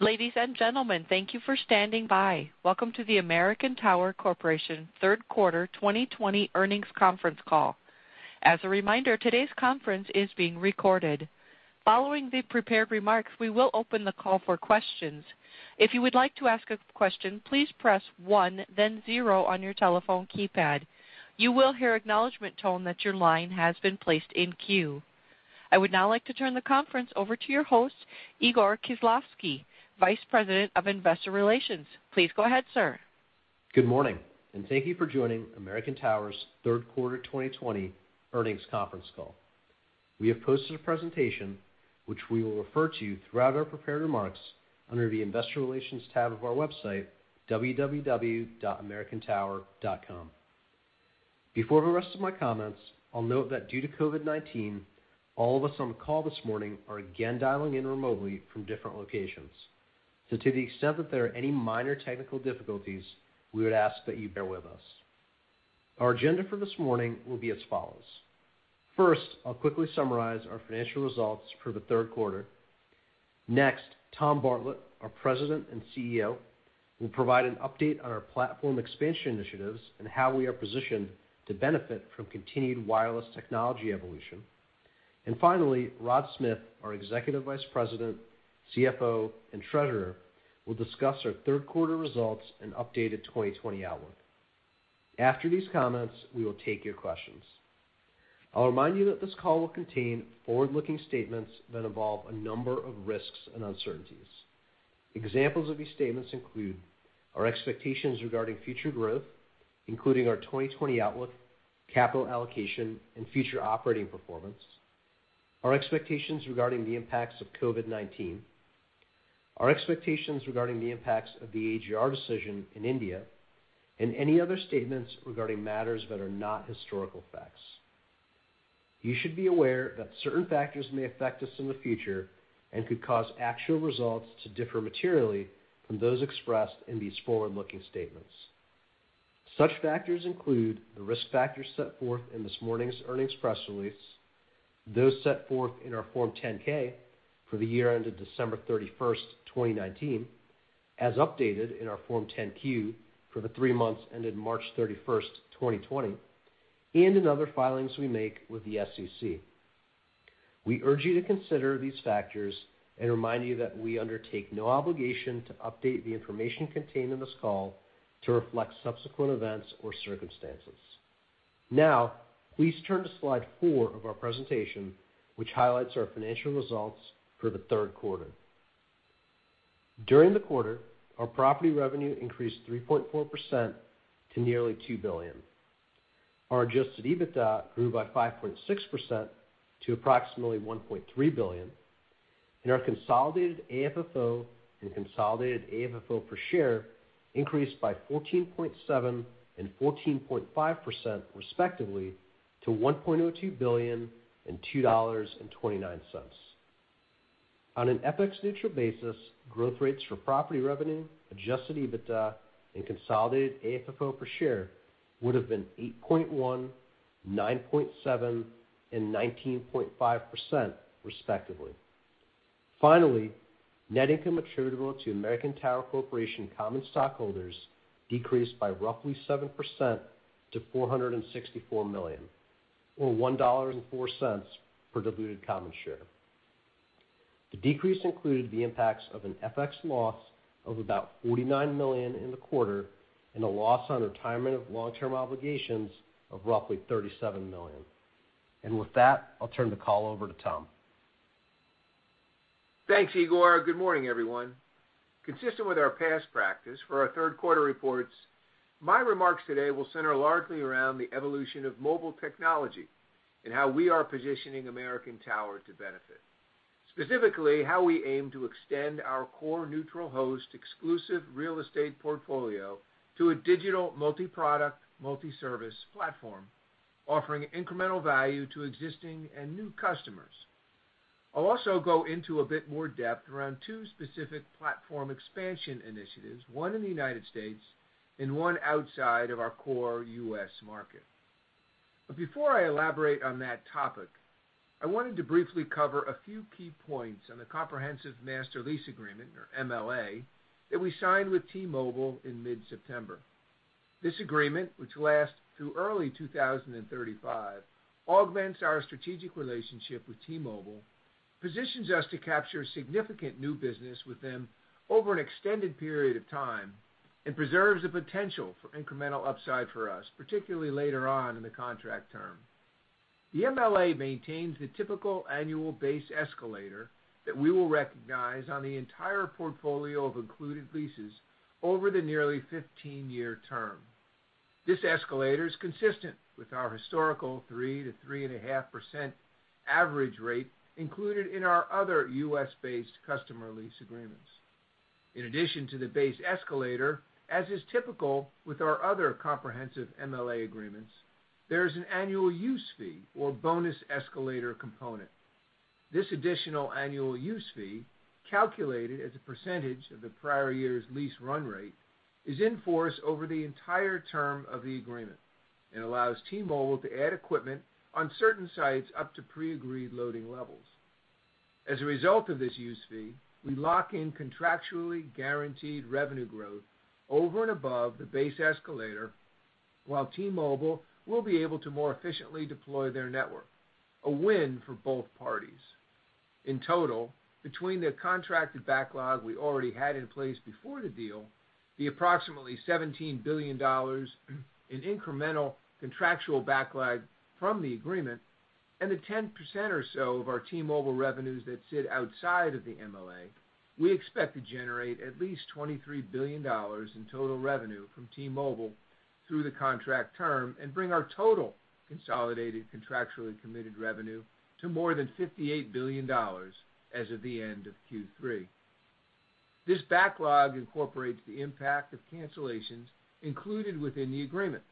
Ladies and gentlemen, thank you for standing by. Welcome to the American Tower Corporation third-quarter 2020 earnings conference call. As a reminder, today's conference is being recorded. Following the prepared remarks, we will open the call for questions. If you would like to ask a question, please press one then zero on your telephone keypad. You will hear an acknowledgement tone that your line has been placed in queue. I would now like to turn the conference over to your host, Igor Khislavsky, Vice President of Investor Relations. Please go ahead, sir. Good morning, and thank you for joining American Tower's third quarter 2020 earnings conference call. We have posted a presentation, which we will refer to throughout our prepared remarks under the investor relations tab of our website, www.americantower.com. Before the rest of my comments, I'll note that due to COVID-19, all of us on the call this morning are again dialing in remotely from different locations. To the extent that there are any minor technical difficulties, we would ask that you bear with us. Our agenda for this morning will be as follows. First, I'll quickly summarize our financial results for the third quarter. Next, Tom Bartlett, our President and CEO, will provide an update on our platform expansion initiatives and how we are positioned to benefit from continued wireless technology evolution. Finally, Rod Smith, our Executive Vice President, CFO, and Treasurer, will discuss our third quarter results and updated 2020 outlook. After these comments, we will take your questions. I will remind you that this call will contain forward-looking statements that involve a number of risks and uncertainties. Examples of these statements include our expectations regarding future growth, including our 2020 outlook, capital allocation, and future operating performance, our expectations regarding the impacts of COVID-19, our expectations regarding the impacts of the AGR decision in India, and any other statements regarding matters that are not historical facts. You should be aware that certain factors may affect us in the future and could cause actual results to differ materially from those expressed in these forward-looking statements. Such factors include the risk factors set forth in this morning's earnings press release, those set forth in our Form 10-K for the year ended December 31st, 2019, as updated in our Form 10-Q for the three months ended March 31st, 2020, and in other filings we make with the SEC. We urge you to consider these factors and remind you that we undertake no obligation to update the information contained in this call to reflect subsequent events or circumstances. Now, please turn to slide four of our presentation, which highlights our financial results for the third quarter. During the quarter, our property revenue increased 3.4% to nearly $2 billion. Our adjusted EBITDA grew by 5.6% to approximately $1.3 billion, and our consolidated AFFO and consolidated AFFO per share increased by 14.7% and 14.5%, respectively, to $1.02 billion and $2.29. On an FX neutral basis, growth rates for property revenue, adjusted EBITDA, and consolidated AFFO per share would've been 8.1, 9.7, and 19.5%, respectively. Finally, net income attributable to American Tower Corporation common stockholders decreased by roughly 7% to $464 million, or $1.04 per diluted common share. The decrease included the impacts of an FX loss of about $49 million in the quarter and a loss on retirement of long-term obligations of roughly $37 million. With that, I'll turn the call over to Tom. Thanks, Igor. Good morning, everyone. Consistent with our past practice for our third-quarter reports, my remarks today will center largely around the evolution of mobile technology and how we are positioning American Tower to benefit. Specifically, how we aim to extend our core neutral host exclusive real estate portfolio to a digital multi-product, multi-service platform, offering incremental value to existing and new customers. I'll also go into a bit more depth around two specific platform expansion initiatives, one in the United States and one outside of our core U.S. market. Before I elaborate on that topic, I wanted to briefly cover a few key points on the comprehensive master lease agreement, or MLA, that we signed with T-Mobile in mid-September. This agreement, which lasts through early 2035, augments our strategic relationship with T-Mobile, positions us to capture significant new business with them over an extended period of time, and preserves the potential for incremental upside for us, particularly later on in the contract term. The MLA maintains the typical annual base escalator that we will recognize on the entire portfolio of included leases over the nearly 15-year term. This escalator is consistent with our historical 3%-3.5% average rate included in our other U.S.-based customer lease agreements. In addition to the base escalator, as is typical with our other comprehensive MLA agreements, there is an annual use fee or bonus escalator component. This additional annual use fee, calculated as a percentage of the prior year's lease run rate, is in force over the entire term of the agreement. Allows T-Mobile to add equipment on certain sites up to pre-agreed loading levels. As a result of this use fee, we lock in contractually guaranteed revenue growth over and above the base escalator, while T-Mobile will be able to more efficiently deploy their network. A win for both parties. In total, between the contracted backlog we already had in place before the deal, the approximately $17 billion in incremental contractual backlog from the agreement, and the 10% or so of our T-Mobile revenues that sit outside of the MLA, we expect to generate at least $23 billion in total revenue from T-Mobile through the contract term and bring our total consolidated contractually committed revenue to more than $58 billion as of the end of Q3. This backlog incorporates the impact of cancellations included within the agreement,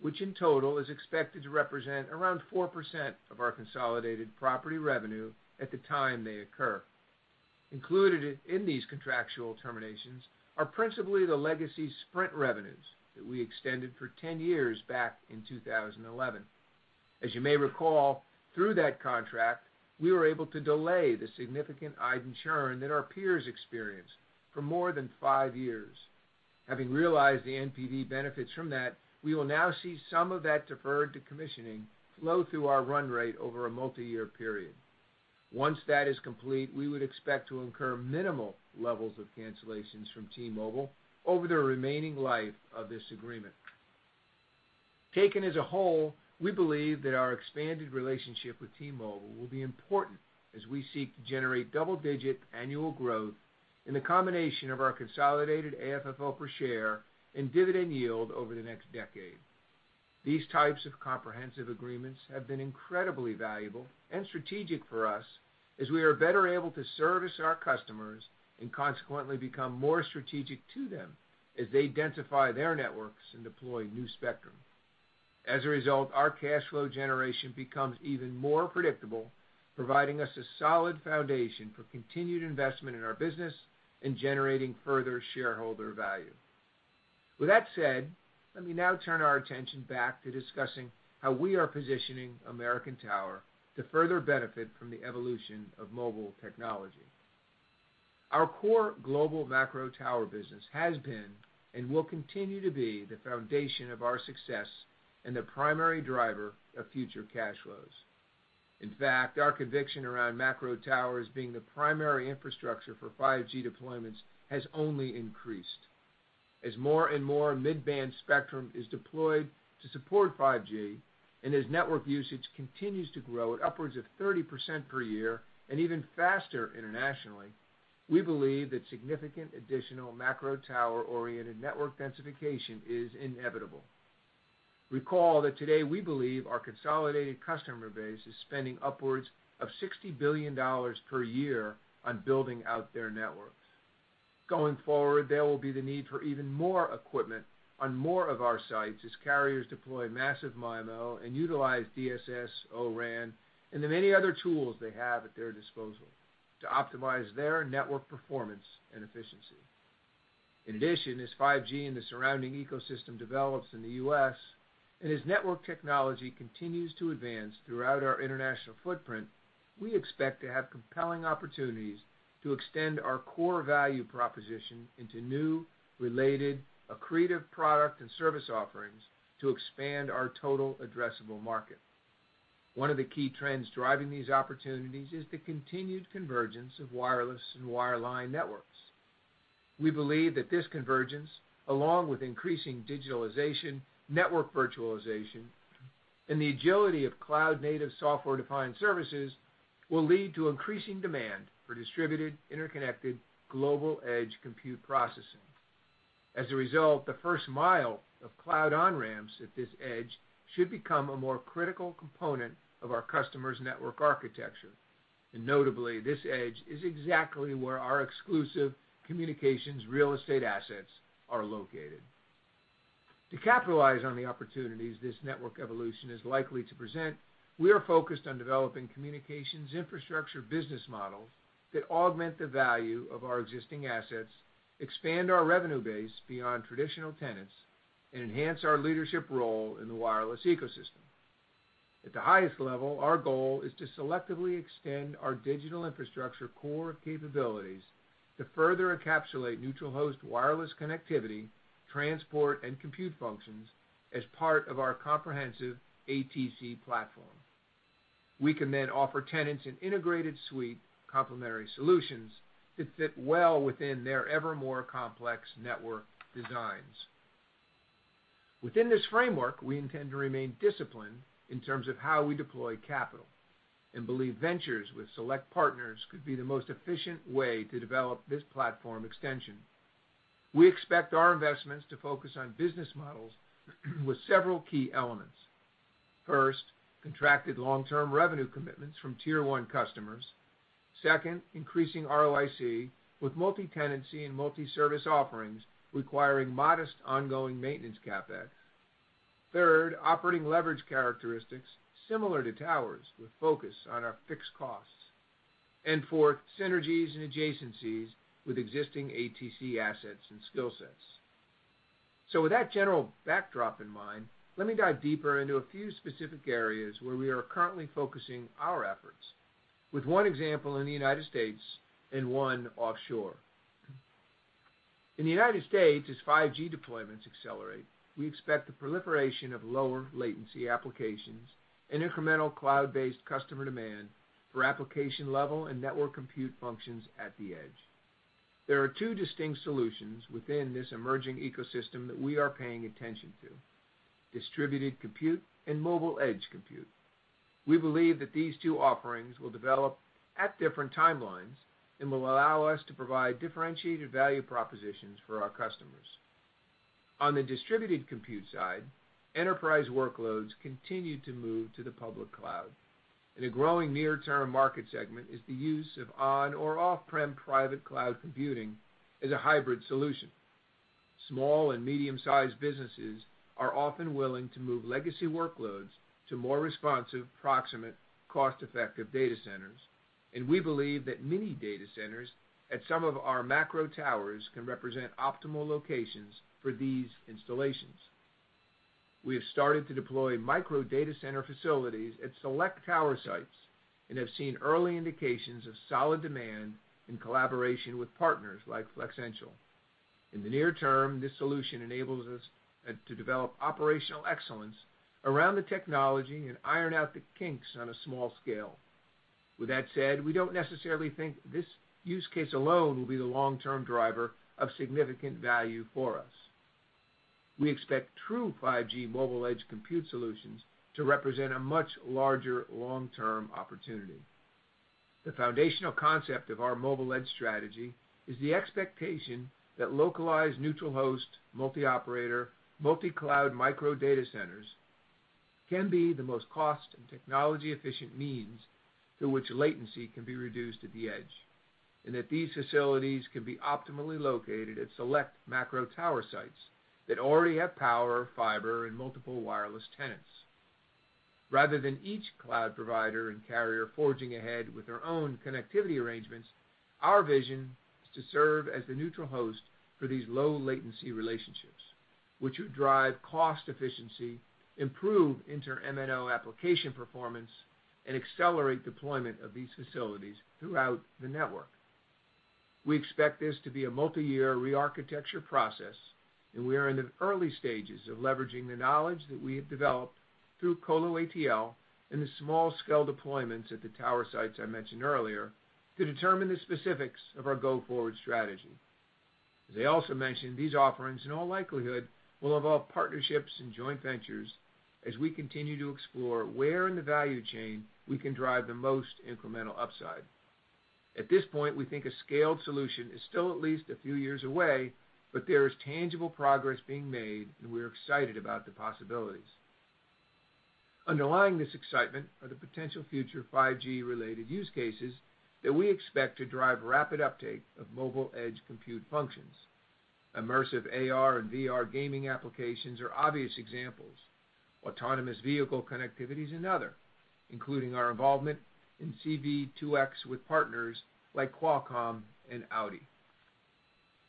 which in total is expected to represent around 4% of our consolidated property revenue at the time they occur. Included in these contractual terminations are principally the legacy Sprint revenues that we extended for 10 years back in 2011. As you may recall, through that contract, we were able to delay the significant iDEN churn that our peers experienced for more than five years. Having realized the NPV benefits from that, we will now see some of that deferred decommissioning flow through our run rate over a multi-year period. Once that is complete, we would expect to incur minimal levels of cancellations from T-Mobile over the remaining life of this agreement. Taken as a whole, we believe that our expanded relationship with T-Mobile will be important as we seek to generate double-digit annual growth in the combination of our consolidated AFFO per share and dividend yield over the next decade. These types of comprehensive agreements have been incredibly valuable and strategic for us as we are better able to service our customers and consequently become more strategic to them as they densify their networks and deploy new spectrum. As a result, our cash flow generation becomes even more predictable, providing us a solid foundation for continued investment in our business and generating further shareholder value. With that said, let me now turn our attention back to discussing how we are positioning American Tower to further benefit from the evolution of mobile technology. Our core global macro tower business has been and will continue to be the foundation of our success and the primary driver of future cash flows. In fact, our conviction around macro towers being the primary infrastructure for 5G deployments has only increased. As more and more mid-band spectrum is deployed to support 5G, and as network usage continues to grow at upwards of 30% per year, and even faster internationally, we believe that significant additional macro tower-oriented network densification is inevitable. Recall that today we believe our consolidated customer base is spending upwards of $60 billion per year on building out their networks. Going forward, there will be the need for even more equipment on more of our sites as carriers deploy massive MIMO and utilize DSS O-RAN and the many other tools they have at their disposal to optimize their network performance and efficiency. In addition, as 5G and the surrounding ecosystem develops in the U.S., and as network technology continues to advance throughout our international footprint, we expect to have compelling opportunities to extend our core value proposition into new, related, accretive product and service offerings to expand our total addressable market. One of the key trends driving these opportunities is the continued convergence of wireless and wireline networks. We believe that this convergence, along with increasing digitalization, network virtualization, and the agility of cloud-native software-defined services, will lead to increasing demand for distributed, interconnected, global edge compute processing. As a result, the first mile of cloud on-ramps at this edge should become a more critical component of our customers' network architecture. Notably, this edge is exactly where our exclusive communications real estate assets are located. To capitalize on the opportunities this network evolution is likely to present, we are focused on developing communications infrastructure business models that augment the value of our existing assets, expand our revenue base beyond traditional tenants, and enhance our leadership role in the wireless ecosystem. At the highest level, our goal is to selectively extend our digital infrastructure core capabilities to further encapsulate neutral host wireless connectivity, transport, and compute functions as part of our comprehensive ATC platform. We can offer tenants an integrated suite of complementary solutions that fit well within their ever-more complex network designs. Within this framework, we intend to remain disciplined in terms of how we deploy capital and believe ventures with select partners could be the most efficient way to develop this platform extension. We expect our investments to focus on business models with several key elements. First, contracted long-term revenue commitments from Tier 1 customers. Second, increasing ROIC with multi-tenancy and multi-service offerings requiring modest ongoing maintenance CapEx. Third, operating leverage characteristics similar to towers, with focus on our fixed costs. Fourth, synergies and adjacencies with existing ATC assets and skill sets. With that general backdrop in mind, let me dive deeper into a few specific areas where we are currently focusing our efforts, with one example in the United States and one offshore. In the United States, as 5G deployments accelerate, we expect the proliferation of lower latency applications and incremental cloud-based customer demand for application-level and network compute functions at the edge. There are two distinct solutions within this emerging ecosystem that we are paying attention to: distributed compute and mobile edge compute. We believe that these two offerings will develop at different timelines and will allow us to provide differentiated value propositions for our customers. On the distributed compute side, enterprise workloads continue to move to the public cloud, and a growing near-term market segment is the use of on or off-prem private cloud computing as a hybrid solution. Small and medium-sized businesses are often willing to move legacy workloads to more responsive, proximate, cost-effective data centers, and we believe that many data centers at some of our macro towers can represent optimal locations for these installations. We have started to deploy micro data center facilities at select tower sites and have seen early indications of solid demand in collaboration with partners like Flexential. In the near term, this solution enables us to develop operational excellence around the technology and iron out the kinks on a small scale. With that said, we don't necessarily think this use case alone will be the long-term driver of significant value for us. We expect true 5G mobile edge compute solutions to represent a much larger long-term opportunity. The foundational concept of our mobile edge strategy is the expectation that localized, neutral host, multi-operator, multi-cloud micro data centers can be the most cost and technology-efficient means through which latency can be reduced at the edge, and that these facilities can be optimally located at select macro tower sites that already have power, fiber, and multiple wireless tenants. Rather than each cloud provider and carrier forging ahead with their own connectivity arrangements, our vision is to serve as the neutral host for these low-latency relationships, which would drive cost efficiency, improve inter-MNO application performance, and accelerate deployment of these facilities throughout the network. We expect this to be a multi-year rearchitecture process, and we are in the early stages of leveraging the knowledge that we have developed through Colo Atl and the small-scale deployments at the tower sites I mentioned earlier to determine the specifics of our go-forward strategy. As I also mentioned, these offerings, in all likelihood, will involve partnerships and joint ventures as we continue to explore where in the value chain we can drive the most incremental upside. At this point, we think a scaled solution is still at least a few years away, but there is tangible progress being made, and we are excited about the possibilities. Underlying this excitement are the potential future 5G-related use cases that we expect to drive rapid uptake of mobile edge compute functions. Immersive AR and VR gaming applications are obvious examples. Autonomous vehicle connectivity is another, including our involvement in C-V2X with partners like Qualcomm and Audi.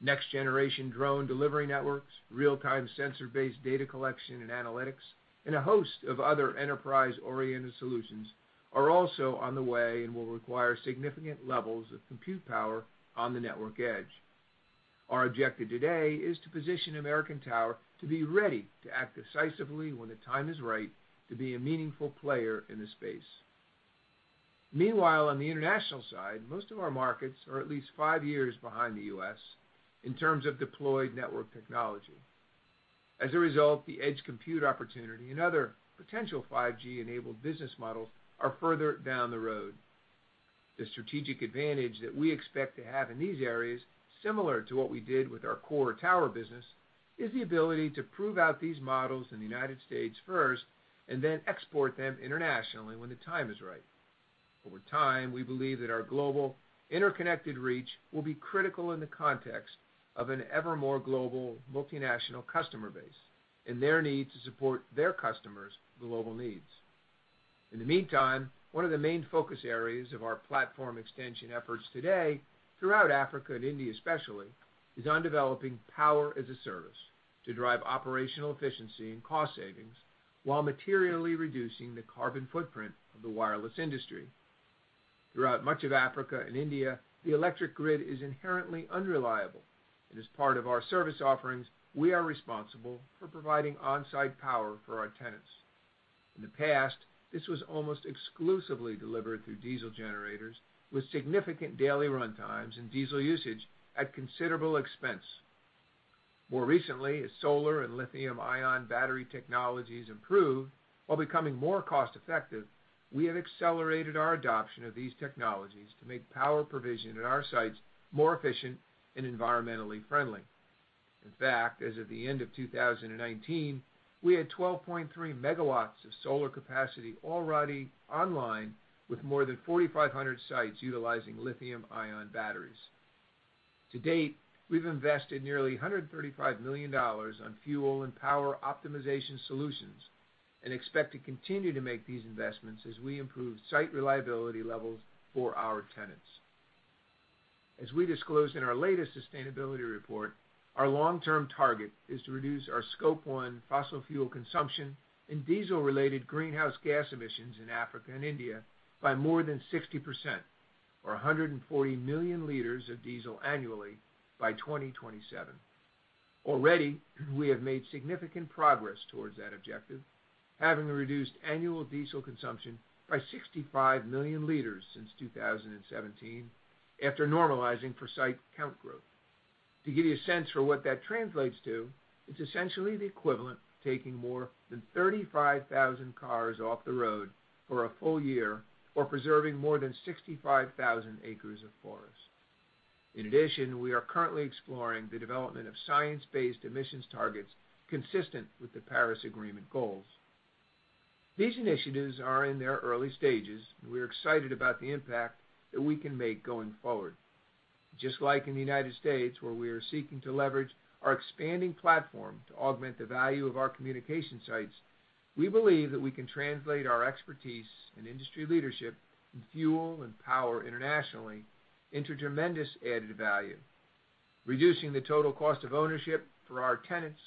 Next-generation drone delivery networks, real-time sensor-based data collection and analytics, and a host of other enterprise-oriented solutions are also on the way and will require significant levels of compute power on the network edge. Our objective today is to position American Tower to be ready to act decisively when the time is right to be a meaningful player in the space. Meanwhile, on the international side, most of our markets are at least five years behind the U.S. in terms of deployed network technology. As a result, the edge compute opportunity and other potential 5G-enabled business models are further down the road. The strategic advantage that we expect to have in these areas, similar to what we did with our core tower business, is the ability to prove out these models in the United States first and then export them internationally when the time is right. Over time, we believe that our global interconnected reach will be critical in the context of an ever more global multinational customer base and their need to support their customers' global needs. In the meantime, one of the main focus areas of our platform extension efforts today, throughout Africa and India especially, is on developing power as a service to drive operational efficiency and cost savings while materially reducing the carbon footprint of the wireless industry. Throughout much of Africa and India, the electric grid is inherently unreliable, and as part of our service offerings, we are responsible for providing on-site power for our tenants. In the past, this was almost exclusively delivered through diesel generators with significant daily runtimes and diesel usage at considerable expense. More recently, as solar and lithium-ion battery technologies improved while becoming more cost-effective, we have accelerated our adoption of these technologies to make power provision at our sites more efficient and environmentally friendly. In fact, as of the end of 2019, we had 12.3 megawatts of solar capacity already online, with more than 4,500 sites utilizing lithium-ion batteries. To date, we've invested nearly $135 million on fuel and power optimization solutions and expect to continue to make these investments as we improve site reliability levels for our tenants. As we disclosed in our latest sustainability report, our long-term target is to reduce our Scope 1 fossil fuel consumption and diesel-related greenhouse gas emissions in Africa and India by more than 60% or 140 million liters of diesel annually by 2027. Already, we have made significant progress towards that objective, having reduced annual diesel consumption by 65 million liters since 2017 after normalizing for site count growth. To give you a sense for what that translates to, it's essentially the equivalent of taking more than 35,000 cars off the road for a full year or preserving more than 65,000 acres of forest. In addition, we are currently exploring the development of science-based emissions targets consistent with the Paris Agreement goals. These initiatives are in their early stages. We're excited about the impact that we can make going forward. Just like in the U.S., where we are seeking to leverage our expanding platform to augment the value of our communication sites, we believe that we can translate our expertise and industry leadership in fuel and power internationally into tremendous added value. Reducing the total cost of ownership for our tenants,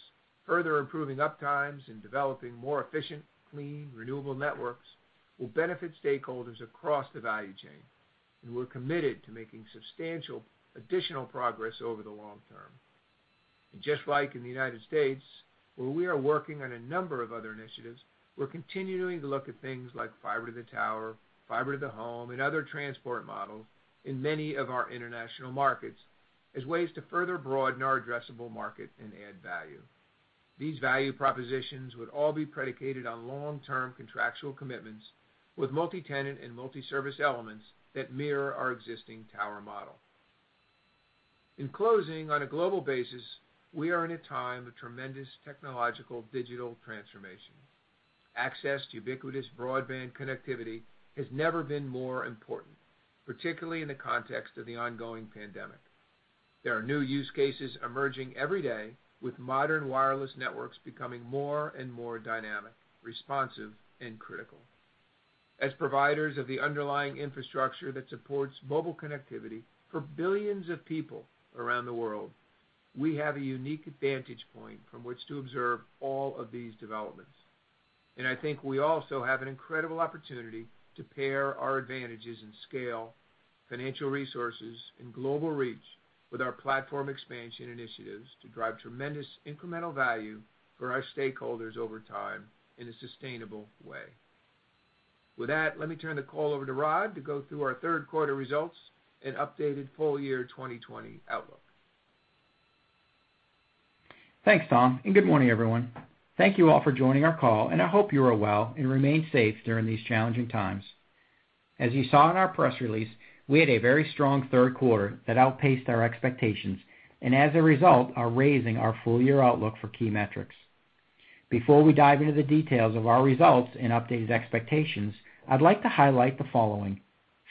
further improving uptimes, and developing more efficient, clean, renewable networks will benefit stakeholders across the value chain. We're committed to making substantial additional progress over the long term. Just like in the U.S. where we are working on a number of other initiatives, we're continuing to look at things like fiber to the tower, fiber to the home, and other transport models in many of our international markets as ways to further broaden our addressable market and add value. These value propositions would all be predicated on long-term contractual commitments with multi-tenant and multi-service elements that mirror our existing tower model. In closing, on a global basis, we are in a time of tremendous technological digital transformation. Access to ubiquitous broadband connectivity has never been more important, particularly in the context of the ongoing pandemic. There are new use cases emerging every day, with modern wireless networks becoming more and more dynamic, responsive, and critical. As providers of the underlying infrastructure that supports mobile connectivity for billions of people around the world, we have a unique vantage point from which to observe all of these developments. I think we also have an incredible opportunity to pair our advantages in scale, financial resources, and global reach with our platform expansion initiatives to drive tremendous incremental value for our stakeholders over time in a sustainable way. With that, let me turn the call over to Rod to go through our third quarter results and updated full year 2020 outlook. Thanks, Tom, and good morning, everyone. Thank you all for joining our call, and I hope you are well and remain safe during these challenging times. As you saw in our press release, we had a very strong third quarter that outpaced our expectations and, as a result, are raising our full-year outlook for key metrics. Before we dive into the details of our results and updated expectations, I'd like to highlight the following.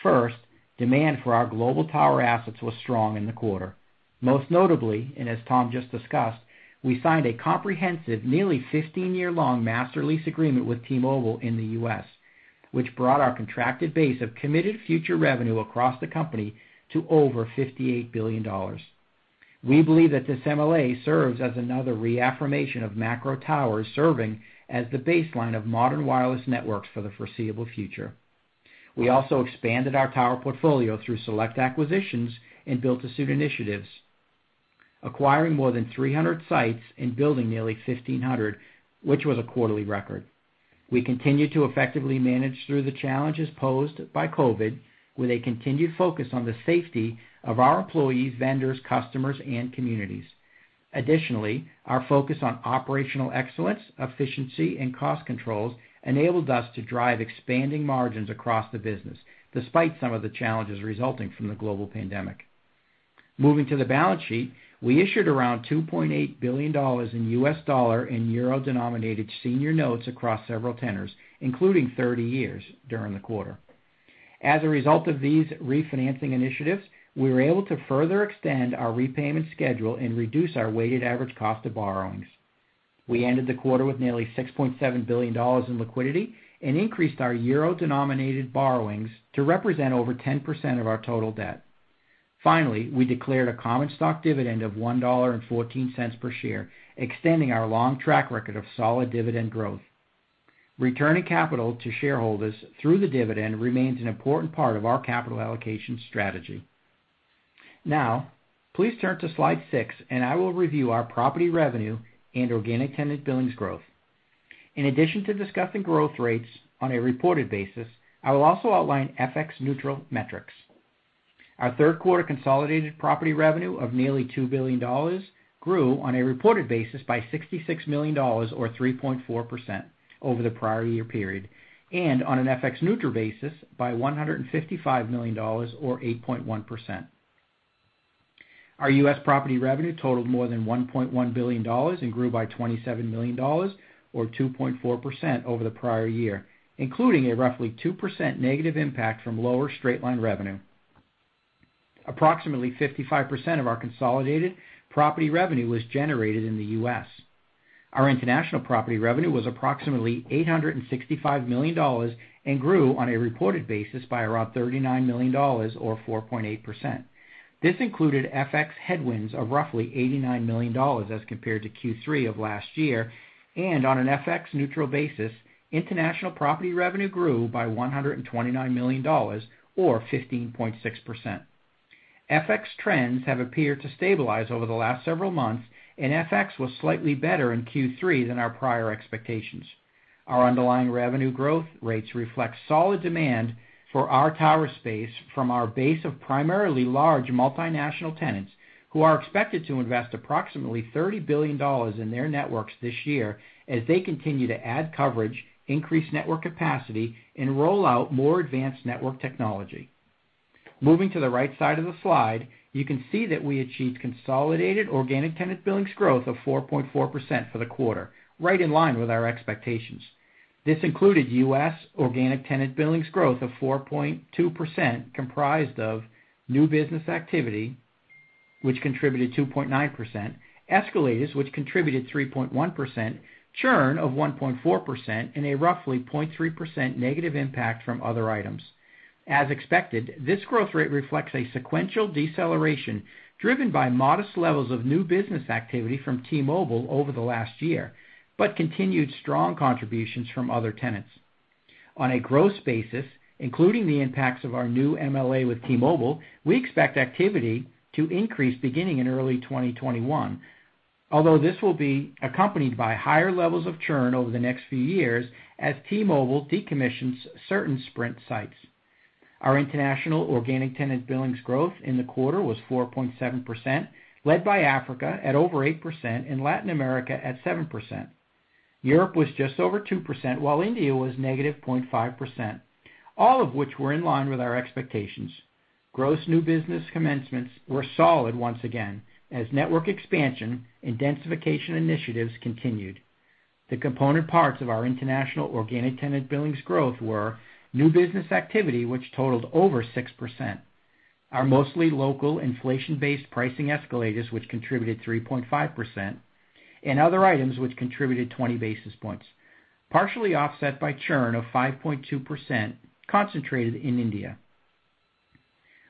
First, demand for our global tower assets was strong in the quarter. Most notably, and as Tom just discussed, we signed a comprehensive, nearly 15-year-long master lease agreement with T-Mobile in the U.S., which brought our contracted base of committed future revenue across the company to over $58 billion. We believe that this MLA serves as another reaffirmation of macro towers serving as the baseline of modern wireless networks for the foreseeable future. We also expanded our tower portfolio through select acquisitions and build-to-suit initiatives, acquiring more than 300 sites and building nearly 1,500, which was a quarterly record. We continue to effectively manage through the challenges posed by COVID, with a continued focus on the safety of our employees, vendors, customers, and communities. Additionally, our focus on operational excellence, efficiency, and cost controls enabled us to drive expanding margins across the business despite some of the challenges resulting from the global pandemic. Moving to the balance sheet, we issued around $2.8 billion in U.S. dollar and euro-denominated senior notes across several tenors, including 30 years during the quarter. As a result of these refinancing initiatives, we were able to further extend our repayment schedule and reduce our weighted average cost of borrowings. We ended the quarter with nearly $6.7 billion in liquidity and increased our euro denominated borrowings to represent over 10% of our total debt. Finally, we declared a common stock dividend of $1.14 per share, extending our long track record of solid dividend growth. Returning capital to shareholders through the dividend remains an important part of our capital allocation strategy. Now, please turn to slide six, and I will review our property revenue and organic tenant billings growth. In addition to discussing growth rates on a reported basis, I will also outline FX-neutral metrics. Our third quarter consolidated property revenue of nearly $2 billion grew on a reported basis by $66 million or 3.4% over the prior year period, and on an FX neutral basis by $155 million or 8.1%. Our U.S. property revenue totaled more than $1.1 billion and grew by $27 million or 2.4% over the prior year, including a roughly -2% impact from lower straight-line revenue. Approximately 55% of our consolidated property revenue was generated in the U.S. Our international property revenue was approximately $865 million and grew on a reported basis by around $39 million or 4.8%. This included FX headwinds of roughly $89 million as compared to Q3 of last year. On an FX neutral basis, international property revenue grew by $129 million or 15.6%. FX trends have appeared to stabilize over the last several months, and FX was slightly better in Q3 than our prior expectations. Our underlying revenue growth rates reflect solid demand for our tower space from our base of primarily large multinational tenants who are expected to invest approximately $30 billion in their networks this year as they continue to add coverage, increase network capacity, and roll out more advanced network technology. Moving to the right side of the slide, you can see that we achieved consolidated organic tenant billings growth of 4.4% for the quarter, right in line with our expectations. This included U.S. organic tenant billings growth of 4.2%, comprised of new business activity, which contributed 2.9%, escalators, which contributed 3.1%, churn of 1.4%, and a roughly -0.3% impact from other items. As expected, this growth rate reflects a sequential deceleration driven by modest levels of new business activity from T-Mobile over the last year, but continued strong contributions from other tenants. On a gross basis, including the impacts of our new MLA with T-Mobile, we expect activity to increase beginning in early 2021. Although this will be accompanied by higher levels of churn over the next few years as T-Mobile decommissions certain Sprint sites. Our international organic tenant billings growth in the quarter was 4.7%, led by Africa at over 8% and Latin America at 7%. Europe was just over 2%, while India was -0.5%, all of which were in line with our expectations. Gross new business commencements were solid once again as network expansion and densification initiatives continued. The component parts of our international organic tenant billings growth were new business activity, which totaled over 6%, our mostly local inflation-based pricing escalators, which contributed 3.5%, and other items which contributed 20 basis points, partially offset by churn of 5.2% concentrated in India.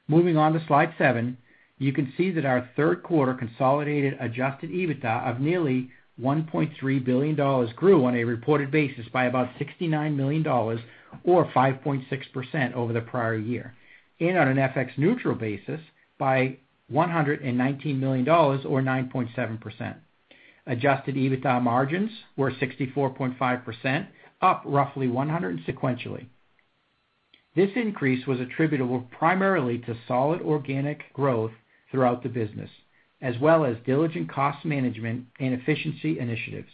Moving on to slide seven, you can see that our third quarter consolidated adjusted EBITDA of nearly $1.3 billion grew on a reported basis by about $69 million or 5.6% over the prior year, and on an FX neutral basis by $119 million or 9.7%. Adjusted EBITDA margins were 64.5%, up roughly 100 sequentially. This increase was attributable primarily to solid organic growth throughout the business, as well as diligent cost management and efficiency initiatives.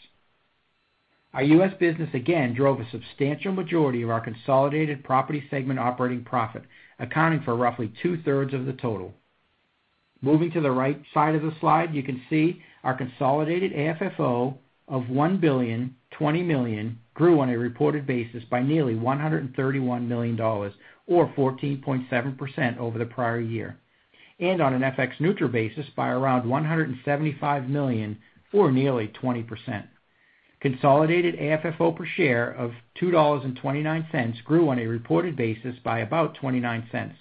Our U.S. business again drove a substantial majority of our consolidated property segment operating profit, accounting for roughly two-thirds of the total. Moving to the right side of the slide, you can see our consolidated AFFO of $1.02 billion grew on a reported basis by nearly $131 million or 14.7% over the prior year, and on an FX neutral basis by around $175 million or nearly 20%. Consolidated AFFO per share of $2.29 grew on a reported basis by about $0.29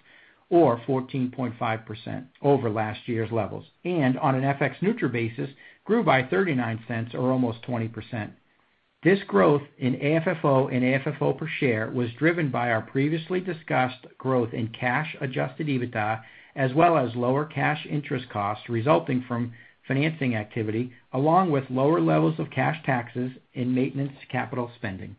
or 14.5% over last year's levels, and on an FX neutral basis grew by $0.39 or almost 20%. This growth in AFFO and AFFO per share was driven by our previously discussed growth in cash adjusted EBITDA, as well as lower cash interest costs resulting from financing activity, along with lower levels of cash taxes and maintenance capital spending.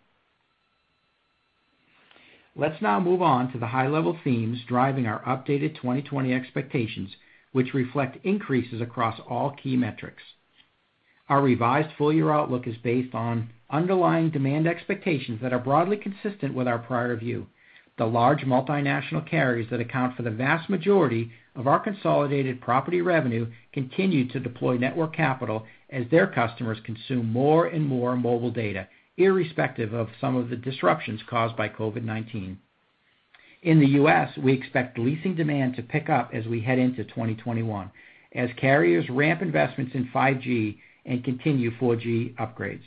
Let's now move on to the high-level themes driving our updated 2020 expectations, which reflect increases across all key metrics. Our revised full-year outlook is based on underlying demand expectations that are broadly consistent with our prior view. The large multinational carriers that account for the vast majority of our consolidated property revenue continue to deploy network capital as their customers consume more and more mobile data, irrespective of some of the disruptions caused by COVID-19. In the U.S., we expect leasing demand to pick up as we head into 2021 as carriers ramp investments in 5G and continue 4G upgrades.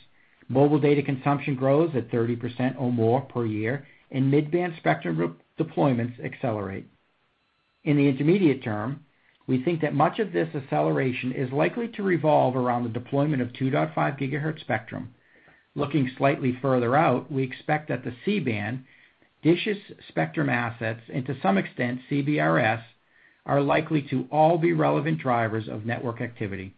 Mobile data consumption grows at 30% or more per year, and mid-band spectrum deployments accelerate. In the intermediate term, we think that much of this acceleration is likely to revolve around the deployment of 2.5 gigahertz spectrum. Looking slightly further out, we expect that the C-band, Dish's spectrum assets, and to some extent CBRS, are likely to all be relevant drivers of network activity.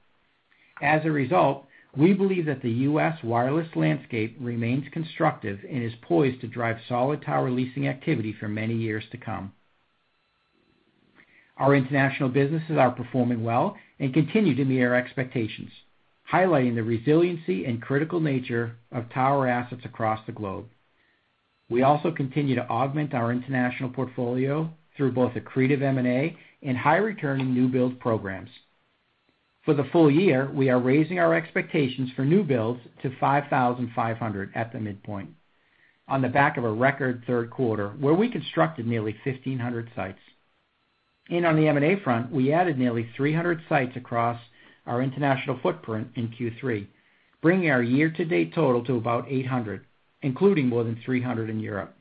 As a result, we believe that the U.S. wireless landscape remains constructive and is poised to drive solid tower leasing activity for many years to come. Our international businesses are performing well and continue to meet our expectations, highlighting the resiliency and critical nature of tower assets across the globe. We also continue to augment our international portfolio through both accretive M&A and high-returning new build programs. For the full year, we are raising our expectations for new builds to 5,500 at the midpoint on the back of a record third quarter, where we constructed nearly 1,500 sites. On the M&A front, we added nearly 300 sites across our international footprint in Q3, bringing our year-to-date total to about 800, including more than 300 in Europe.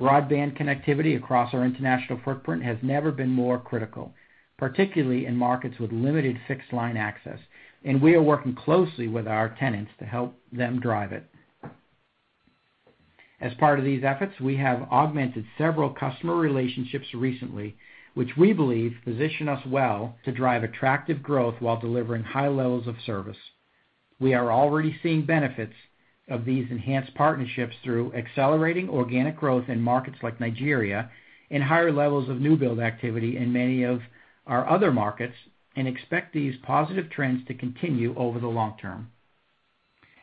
Broadband connectivity across our international footprint has never been more critical, particularly in markets with limited fixed-line access, and we are working closely with our tenants to help them drive it. As part of these efforts, we have augmented several customer relationships recently, which we believe position us well to drive attractive growth while delivering high levels of service. We are already seeing benefits of these enhanced partnerships through accelerating organic growth in markets like Nigeria and higher levels of new build activity in many of our other markets, and expect these positive trends to continue over the long term.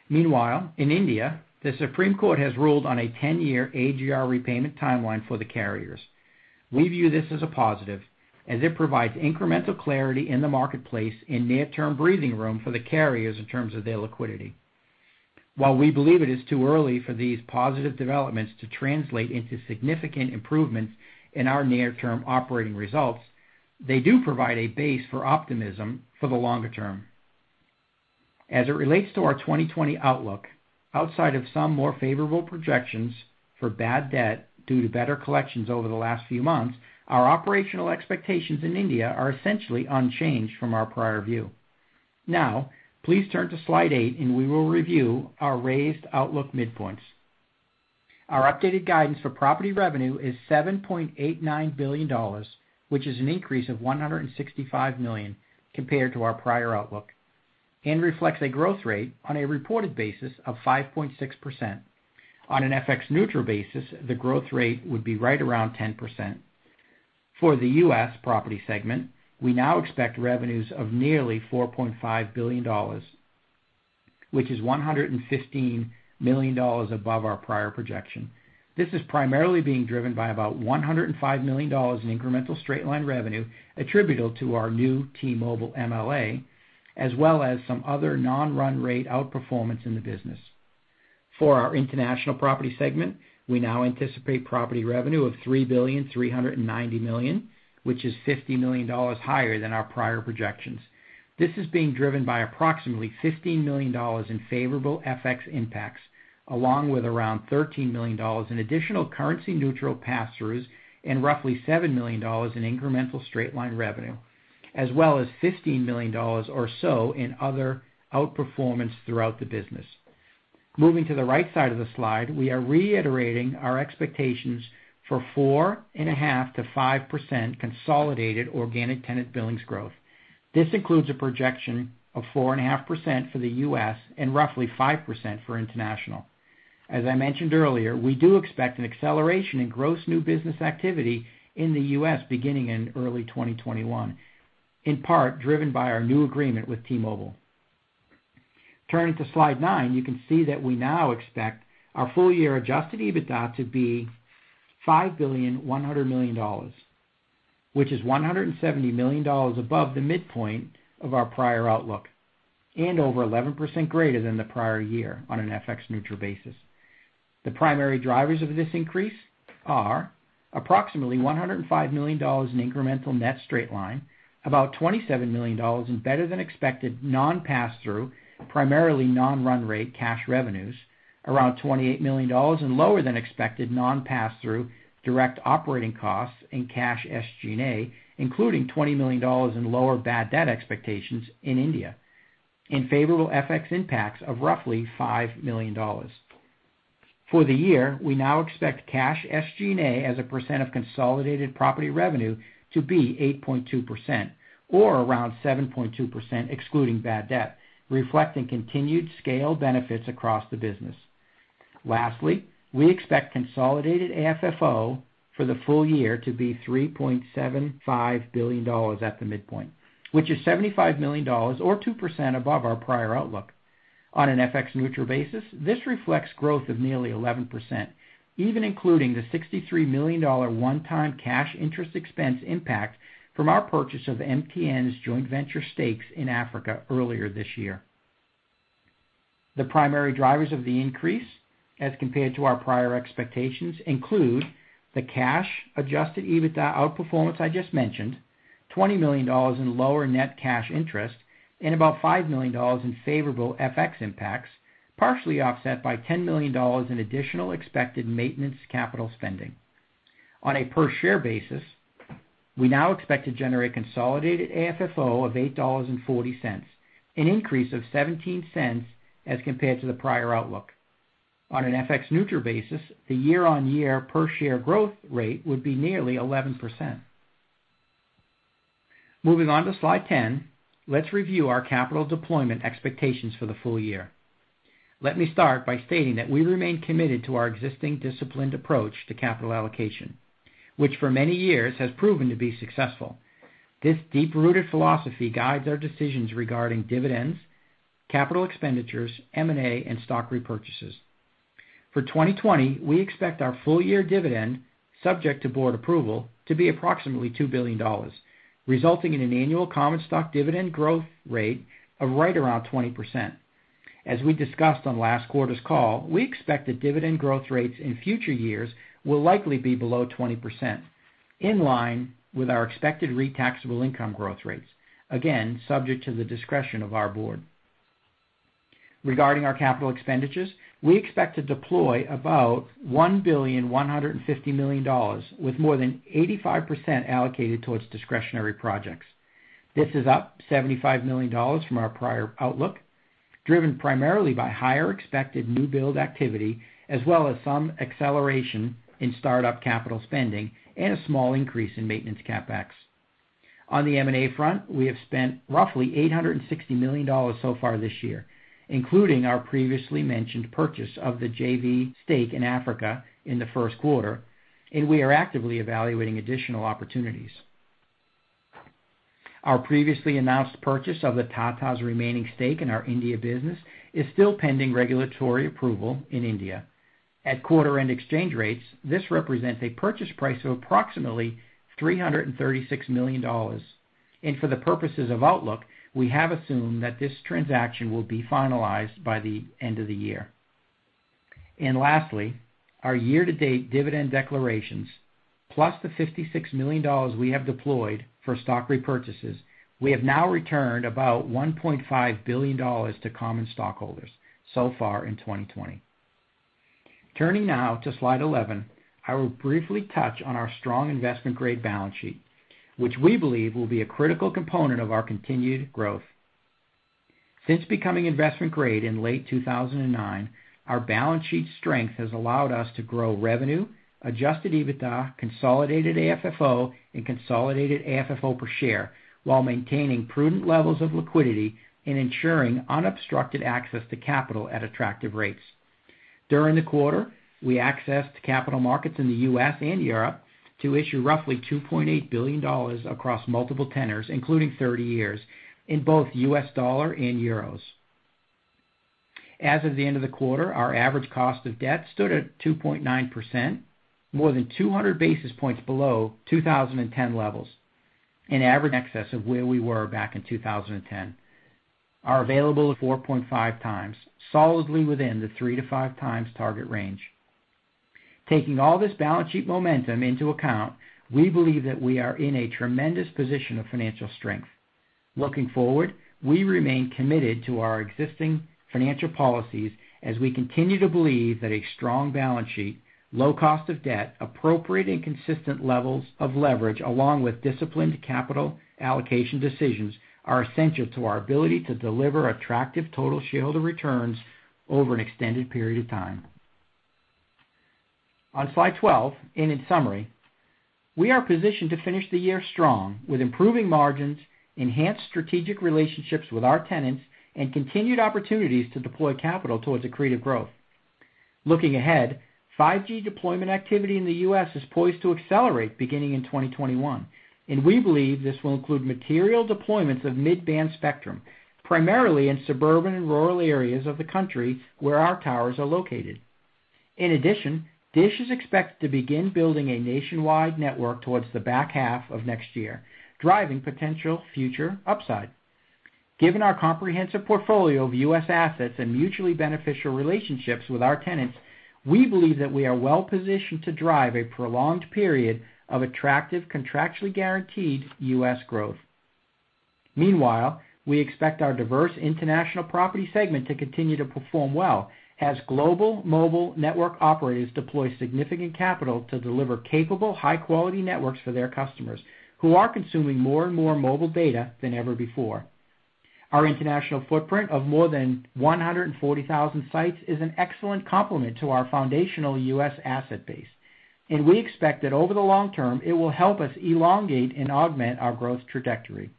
Meanwhile, in India, the Supreme Court has ruled on a 10-year AGR repayment timeline for the carriers. We view this as a positive, as it provides incremental clarity in the marketplace and near-term breathing room for the carriers in terms of their liquidity. While we believe it is too early for these positive developments to translate into significant improvements in our near-term operating results, they do provide a base for optimism for the longer term. As it relates to our 2020 outlook, outside of some more favorable projections for bad debt due to better collections over the last few months, our operational expectations in India are essentially unchanged from our prior view. Please turn to slide eight, and we will review our raised outlook midpoints. Our updated guidance for property revenue is $7.89 billion, which is an increase of $165 million compared to our prior outlook and reflects a growth rate on a reported basis of 5.6%. On an FX neutral basis, the growth rate would be right around 10%. For the U.S. property segment, we now expect revenues of nearly $4.5 billion, which is $115 million above our prior projection. This is primarily being driven by about $105 million in incremental straight-line revenue attributable to our new T-Mobile MLA, as well as some other non-run-rate outperformance in the business. For our international property segment, we now anticipate property revenue of $3.39 billion, which is $50 million higher than our prior projections. This is being driven by approximately $15 million in favorable FX impacts, along with around $13 million in additional currency-neutral pass-throughs, and roughly $7 million in incremental straight-line revenue, as well as $15 million or so in other outperformance throughout the business. Moving to the right side of the slide, we are reiterating our expectations for 4.5%-5% consolidated organic tenant billings growth. This includes a projection of 4.5% for the U.S. and roughly 5% for international. As I mentioned earlier, we do expect an acceleration in gross new business activity in the U.S. beginning in early 2021, in part driven by our new agreement with T-Mobile. Turning to slide nine, you can see that we now expect our full-year adjusted EBITDA to be $5.1 billion, which is $170 million above the midpoint of our prior outlook and over 11% greater than the prior year on an FX-neutral basis. The primary drivers of this increase are approximately $105 million in incremental net straight line, about $27 million in better-than-expected non-pass-through, primarily non-run rate cash revenues, around $28 million in lower-than-expected non-pass-through direct operating costs and cash SG&A, including $20 million in lower bad debt expectations in India, and favorable FX impacts of roughly $5 million. For the year, we now expect cash SG&A as a percent of consolidated property revenue to be 8.2%, or around 7.2% excluding bad debt, reflecting continued scale benefits across the business. Lastly, we expect consolidated AFFO for the full year to be $3.75 billion at the midpoint, which is $75 million or 2% above our prior outlook. On an FX neutral basis, this reflects growth of nearly 11%, even including the $63 million one-time cash interest expense impact from our purchase of MTN's joint venture stakes in Africa earlier this year. The primary drivers of the increase as compared to our prior expectations include the cash-adjusted EBITDA outperformance I just mentioned, $20 million in lower net cash interest, and about $5 million in favorable FX impacts, partially offset by $10 million in additional expected maintenance capital spending. On a per share basis, we now expect to generate consolidated AFFO of $8.40, an increase of $0.17 as compared to the prior outlook. On an FX-neutral basis, the year-on-year per share growth rate would be nearly 11%. Moving on to slide 10, let's review our capital deployment expectations for the full year. Let me start by stating that we remain committed to our existing disciplined approach to capital allocation, which for many years has proven to be successful. This deep-rooted philosophy guides our decisions regarding dividends, capital expenditures, M&A, and stock repurchases. For 2020, we expect our full-year dividend, subject to board approval, to be approximately $2 billion, resulting in an annual common stock dividend growth rate of right around 20%. As we discussed on last quarter's call, we expect that dividend growth rates in future years will likely be below 20%, in line with our expected REIT taxable income growth rates, again, subject to the discretion of our board. Regarding our capital expenditures, we expect to deploy about $1,150,000,000, with more than 85% allocated towards discretionary projects. This is up $75 million from our prior outlook, driven primarily by higher expected new build activity, as well as some acceleration in startup capital spending and a small increase in maintenance CapEx. On the M&A front, we have spent roughly $860 million so far this year, including our previously mentioned purchase of the JV stake in Africa in the first quarter, and we are actively evaluating additional opportunities. Our previously announced purchase of the Tata's remaining stake in our India business is still pending regulatory approval in India. At quarter-end exchange rates, this represents a purchase price of approximately $336 million. For the purposes of outlook, we have assumed that this transaction will be finalized by the end of the year. Lastly, our year-to-date dividend declarations, plus the $56 million we have deployed for stock repurchases, we have now returned about $1.5 billion to common stockholders so far in 2020. Turning now to slide 11, I will briefly touch on our strong investment-grade balance sheet, which we believe will be a critical component of our continued growth. Since becoming investment-grade in late 2009, our balance sheet strength has allowed us to grow revenue, adjusted EBITDA, consolidated AFFO, and consolidated AFFO per share, while maintaining prudent levels of liquidity and ensuring unobstructed access to capital at attractive rates. During the quarter, we accessed capital markets in the U.S. and Europe to issue roughly $2.8 billion across multiple tenors, including 30 years, in both U.S. dollar and euros. As of the end of the quarter, our average cost of debt stood at 2.9%, more than 200 basis points below 2010 levels. In average excess of where we were back in 2010 are available at 4.5x, solidly within the 3x to 5x target range. Taking all this balance sheet momentum into account, we believe that we are in a tremendous position of financial strength. Looking forward, we remain committed to our existing financial policies as we continue to believe that a strong balance sheet, low cost of debt, appropriate and consistent levels of leverage, along with disciplined capital allocation decisions are essential to our ability to deliver attractive total shareholder returns over an extended period of time. On slide 12, in summary, we are positioned to finish the year strong, with improving margins, enhanced strategic relationships with our tenants, and continued opportunities to deploy capital towards accretive growth. Looking ahead, 5G deployment activity in the U.S. is poised to accelerate beginning in 2021, and we believe this will include material deployments of mid-band spectrum, primarily in suburban and rural areas of the country where our towers are located. In addition, Dish is expected to begin building a nationwide network towards the back half of next year, driving potential future upside. Given our comprehensive portfolio of U.S. assets and mutually beneficial relationships with our tenants, we believe that we are well-positioned to drive a prolonged period of attractive, contractually guaranteed U.S. growth. We expect our diverse international property segment to continue to perform well as global mobile network operators deploy significant capital to deliver capable, high-quality networks for their customers who are consuming more and more mobile data than ever before. Our international footprint of more than 140,000 sites is an excellent complement to our foundational U.S. asset base, and we expect that over the long term, it will help us elongate and augment our growth trajectory.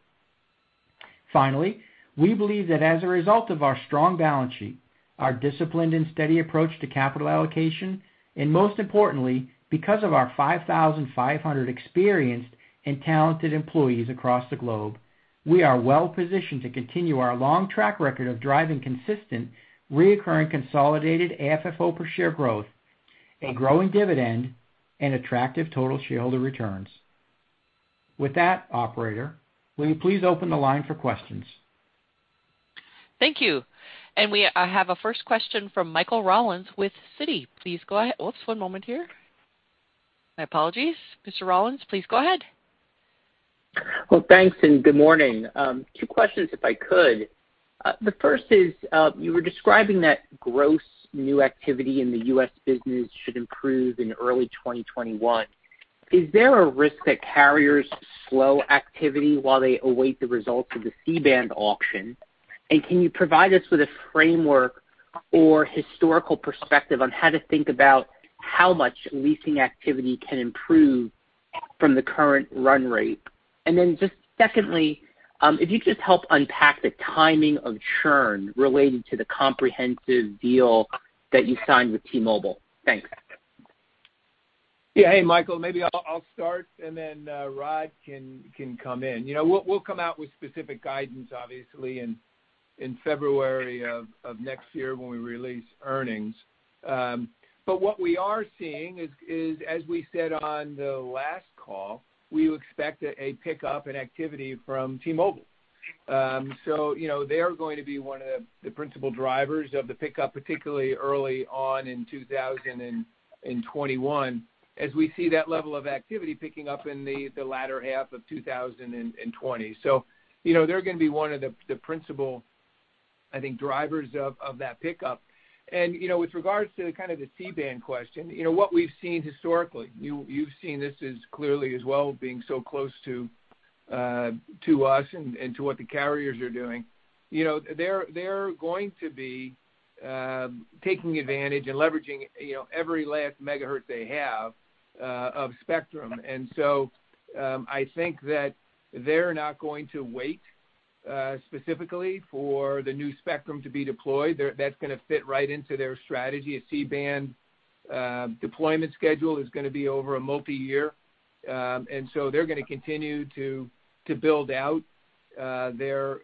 We believe that, as a result of our strong balance sheet, our disciplined and steady approach to capital allocation, and most importantly, because of our 5,500 experienced and talented employees across the globe, we are well-positioned to continue our long track record of driving consistent, reccurring consolidated AFFO per share growth, a growing dividend, and attractive total shareholder returns. With that, operator, will you please open the line for questions? Thank you. We have a first question from Michael Rollins with Citi. Please go ahead. Oops, one moment here. My apologies. Mr. Rollins, please go ahead. Well, thanks. Good morning. Two questions, if I could. The first is, you were describing that gross new activity in the U.S. business should improve in early 2021. Is there a risk that carriers' slow activity while they await the results of the C-band auction? Can you provide us with a framework or historical perspective on how to think about how much leasing activity can improve from the current run rate? Just secondly, if you could just help unpack the timing of churn related to the comprehensive deal that you signed with T-Mobile? Thanks. Yeah. Hey, Michael. Maybe I'll start, and then Rod can come in. We'll come out with specific guidance, obviously, in February of next year when we release earnings. What we are seeing is, as we said on the last call, we expect a pickup in activity from T-Mobile. They are going to be one of the principal drivers of the pickup, particularly early on in 2021, as we see that level of activity picking up in the latter half of 2020. They're going to be one of the principal, I think, drivers of that pickup. With regards to the C-band question, what we've seen historically, you've seen this as clearly as well, being so close to us and to what the carriers are doing. They're going to be taking advantage and leveraging every last megahertz they have of spectrum. I think that they're not going to wait specifically for the new spectrum to be deployed. That's going to fit right into their strategy. C-band deployment schedule is going to be over a multi-year. They're going to continue to build out their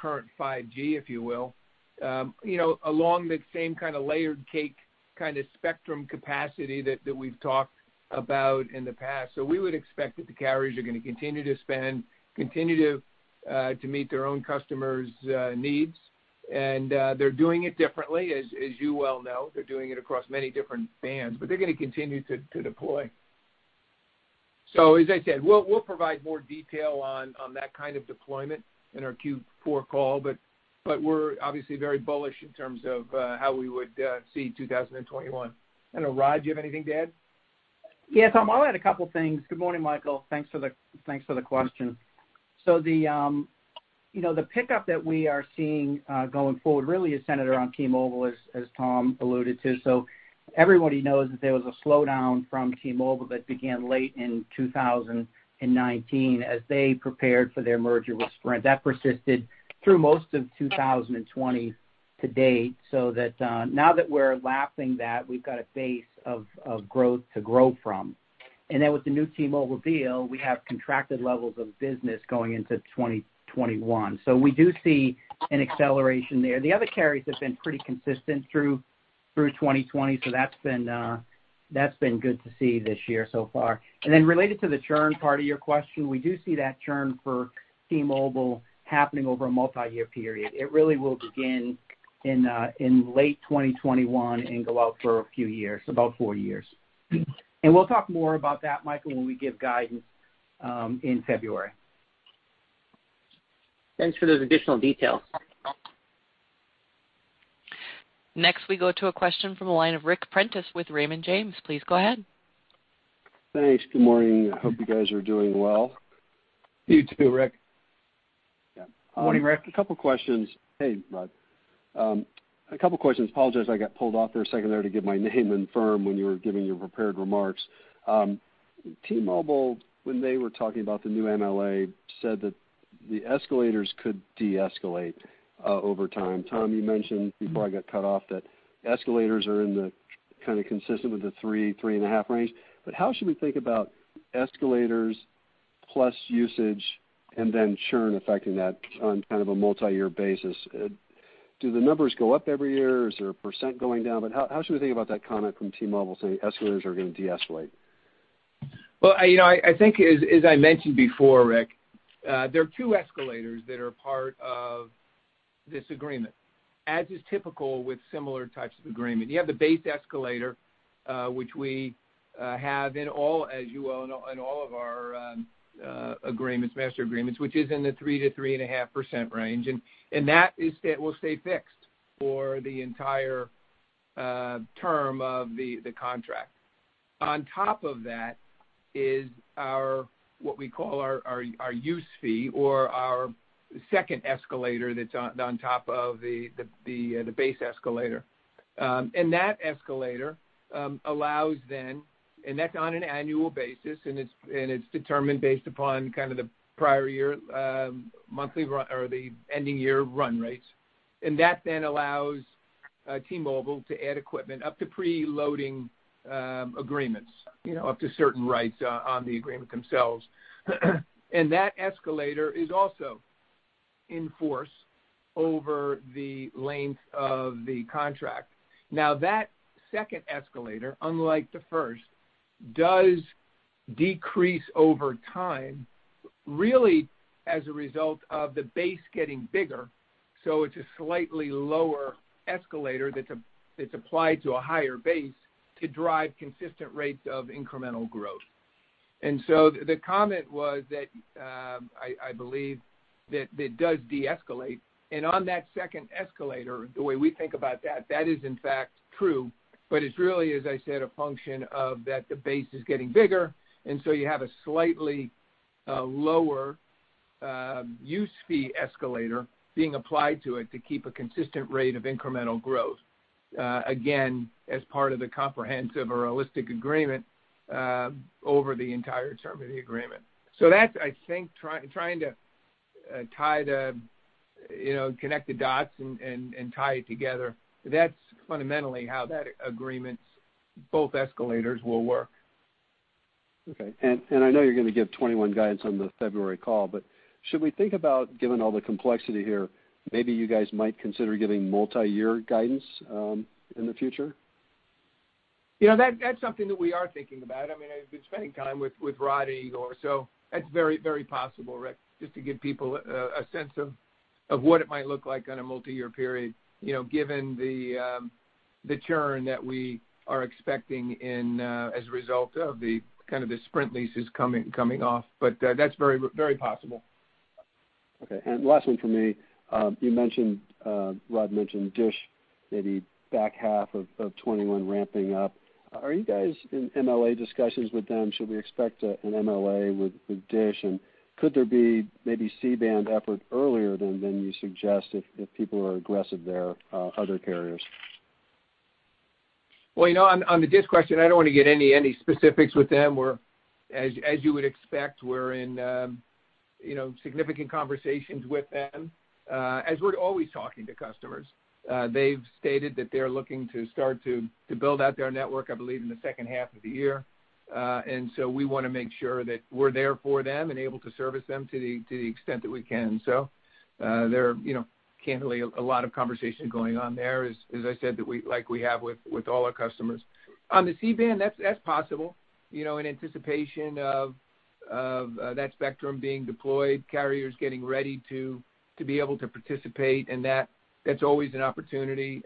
current 5G, if you will, along the same kind of layered cake spectrum capacity that we've talked about in the past. We would expect that the carriers are going to continue to spend, continue to meet their own customers' needs, and they're doing it differently, as you well know. They're doing it across many different bands, but they're going to continue to deploy. As I said, we'll provide more detail on that kind of deployment in our Q4 call, but we're obviously very bullish in terms of how we would see 2021. I don't know, Rod. Do you have anything to add? Yeah, Tom, I'll add a couple things. Good morning, Michael. Thanks for the question. The pickup that we are seeing going forward really is centered around T-Mobile, as Tom alluded to. Everybody knows that there was a slowdown from T-Mobile that began late in 2019 as they prepared for their merger with Sprint. That persisted through most of 2020 to date, so that now that we're lapsing that, we've got a base of growth to grow from. With the new T-Mobile deal, we have contracted levels of business going into 2021. We do see an acceleration there. The other carriers have been pretty consistent through 2020, so that's been good to see this year so far. Related to the churn part of your question, we do see that churn for T-Mobile happening over a multi-year period. It really will begin in late 2021 and go out for a few years, about four years. We'll talk more about that, Michael, when we give guidance in February. Thanks for those additional details. Next, we go to a question from the line of Ric Prentiss with Raymond James. Please go ahead. Thanks. Good morning. Hope you guys are doing well. You too, Ric. Yeah. Morning, Ric. A couple questions. Hey, Rod. A couple questions. Apologize, I got pulled off for a second there to give my name and firm when you were giving your prepared remarks. T-Mobile, when they were talking about the new MLA, said that the escalators could deescalate over time. Tom, you mentioned before I got cut off that escalators are consistent with the 3.5 range. How should we think about escalators plus usage and then churn affecting that on a multi-year basis? Do the numbers go up every year? Is there a percent going down? How should we think about that comment from T-Mobile saying escalators are going to deescalate? Well, I think as I mentioned before, Ric, there are two escalators that are part of this agreement, as is typical with similar types of agreement. You have the base escalator, which we have in all, as you well know, in all of our master agreements, which is in the 3%-3.5% range. That will stay fixed for the entire term of the contract. On top of that is what we call our use fee or our second escalator that's on top of the base escalator. That escalator allows then, and that's on an annual basis, and it's determined based upon the prior year monthly or the ending year run rates. That then allows T-Mobile to add equipment up to pre-loading agreements, up to certain rights on the agreement themselves. That escalator is also in force over the length of the contract. Now that second escalator, unlike the first, does decrease over time, really as a result of the base getting bigger. It's a slightly lower escalator that's applied to a higher base to drive consistent rates of incremental growth. The comment was that, I believe, that it does deescalate. On that second escalator, the way we think about that is in fact true, but it's really, as I said, a function of that the base is getting bigger, and so you have a slightly lower use fee escalator being applied to it to keep a consistent rate of incremental growth, again, as part of the comprehensive or holistic agreement over the entire term of the agreement. That's, I think, trying to tie the, connect the dots and tie it together. That's fundamentally how that agreement's both escalators will work. Okay. I know you're going to give 2021 guidance on the February call, but should we think about, given all the complexity here, maybe you guys might consider giving multi-year guidance in the future? That's something that we are thinking about. I've been spending time with Rod, Igor, so that's very possible, Ric, just to give people a sense of what it might look like on a multi-year period, given the churn that we are expecting as a result of the Sprint leases coming off. That's very possible. Okay, last one from me. Rod mentioned Dish, maybe back half of 2021 ramping up. Are you guys in MLA discussions with them? Should we expect an MLA with Dish, and could there be maybe C-band effort earlier than you suggest if people are aggressive there, other carriers? Well, on the Dish question, I don't want to get any specifics with them. As you would expect, we're in significant conversations with them as we're always talking to customers. They've stated that they're looking to start to build out their network, I believe, in the second half of the year. We want to make sure that we're there for them and able to service them to the extent that we can. There, candidly, a lot of conversation going on there, as I said, like we have with all our customers. On the C-band, that's possible. In anticipation of that spectrum being deployed, carriers getting ready to be able to participate, and that's always an opportunity,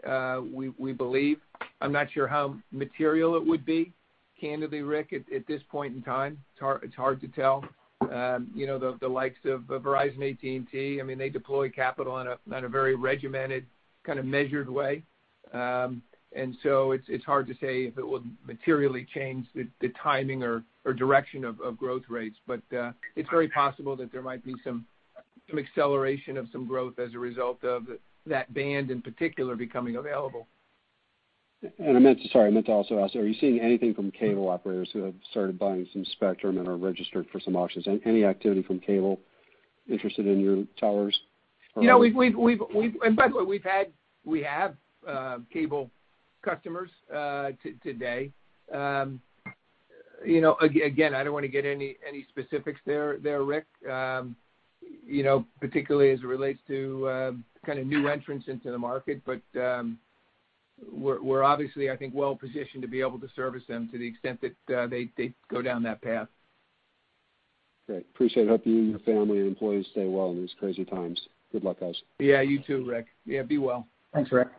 we believe. I'm not sure how material it would be. Candidly, Ric, at this point in time, it's hard to tell. The likes of Verizon, AT&T, they deploy capital in a very regimented, measured way. It's hard to say if it will materially change the timing or direction of growth rates. It's very possible that there might be some acceleration of some growth as a result of that band in particular becoming available. I meant to also ask, are you seeing anything from cable operators who have started buying some spectrum and are registered for some auctions? Any activity from cable interested in your towers? By the way, we have cable customers today. I don't want to get any specifics there, Ric, particularly as it relates to new entrants into the market. We're obviously, I think, well-positioned to be able to service them to the extent that they go down that path. Great. Appreciate it. Hope you and your family, and employees stay well in these crazy times. Good luck, guys. Yeah, you too, Ric. Yeah, be well. Thanks, Ric.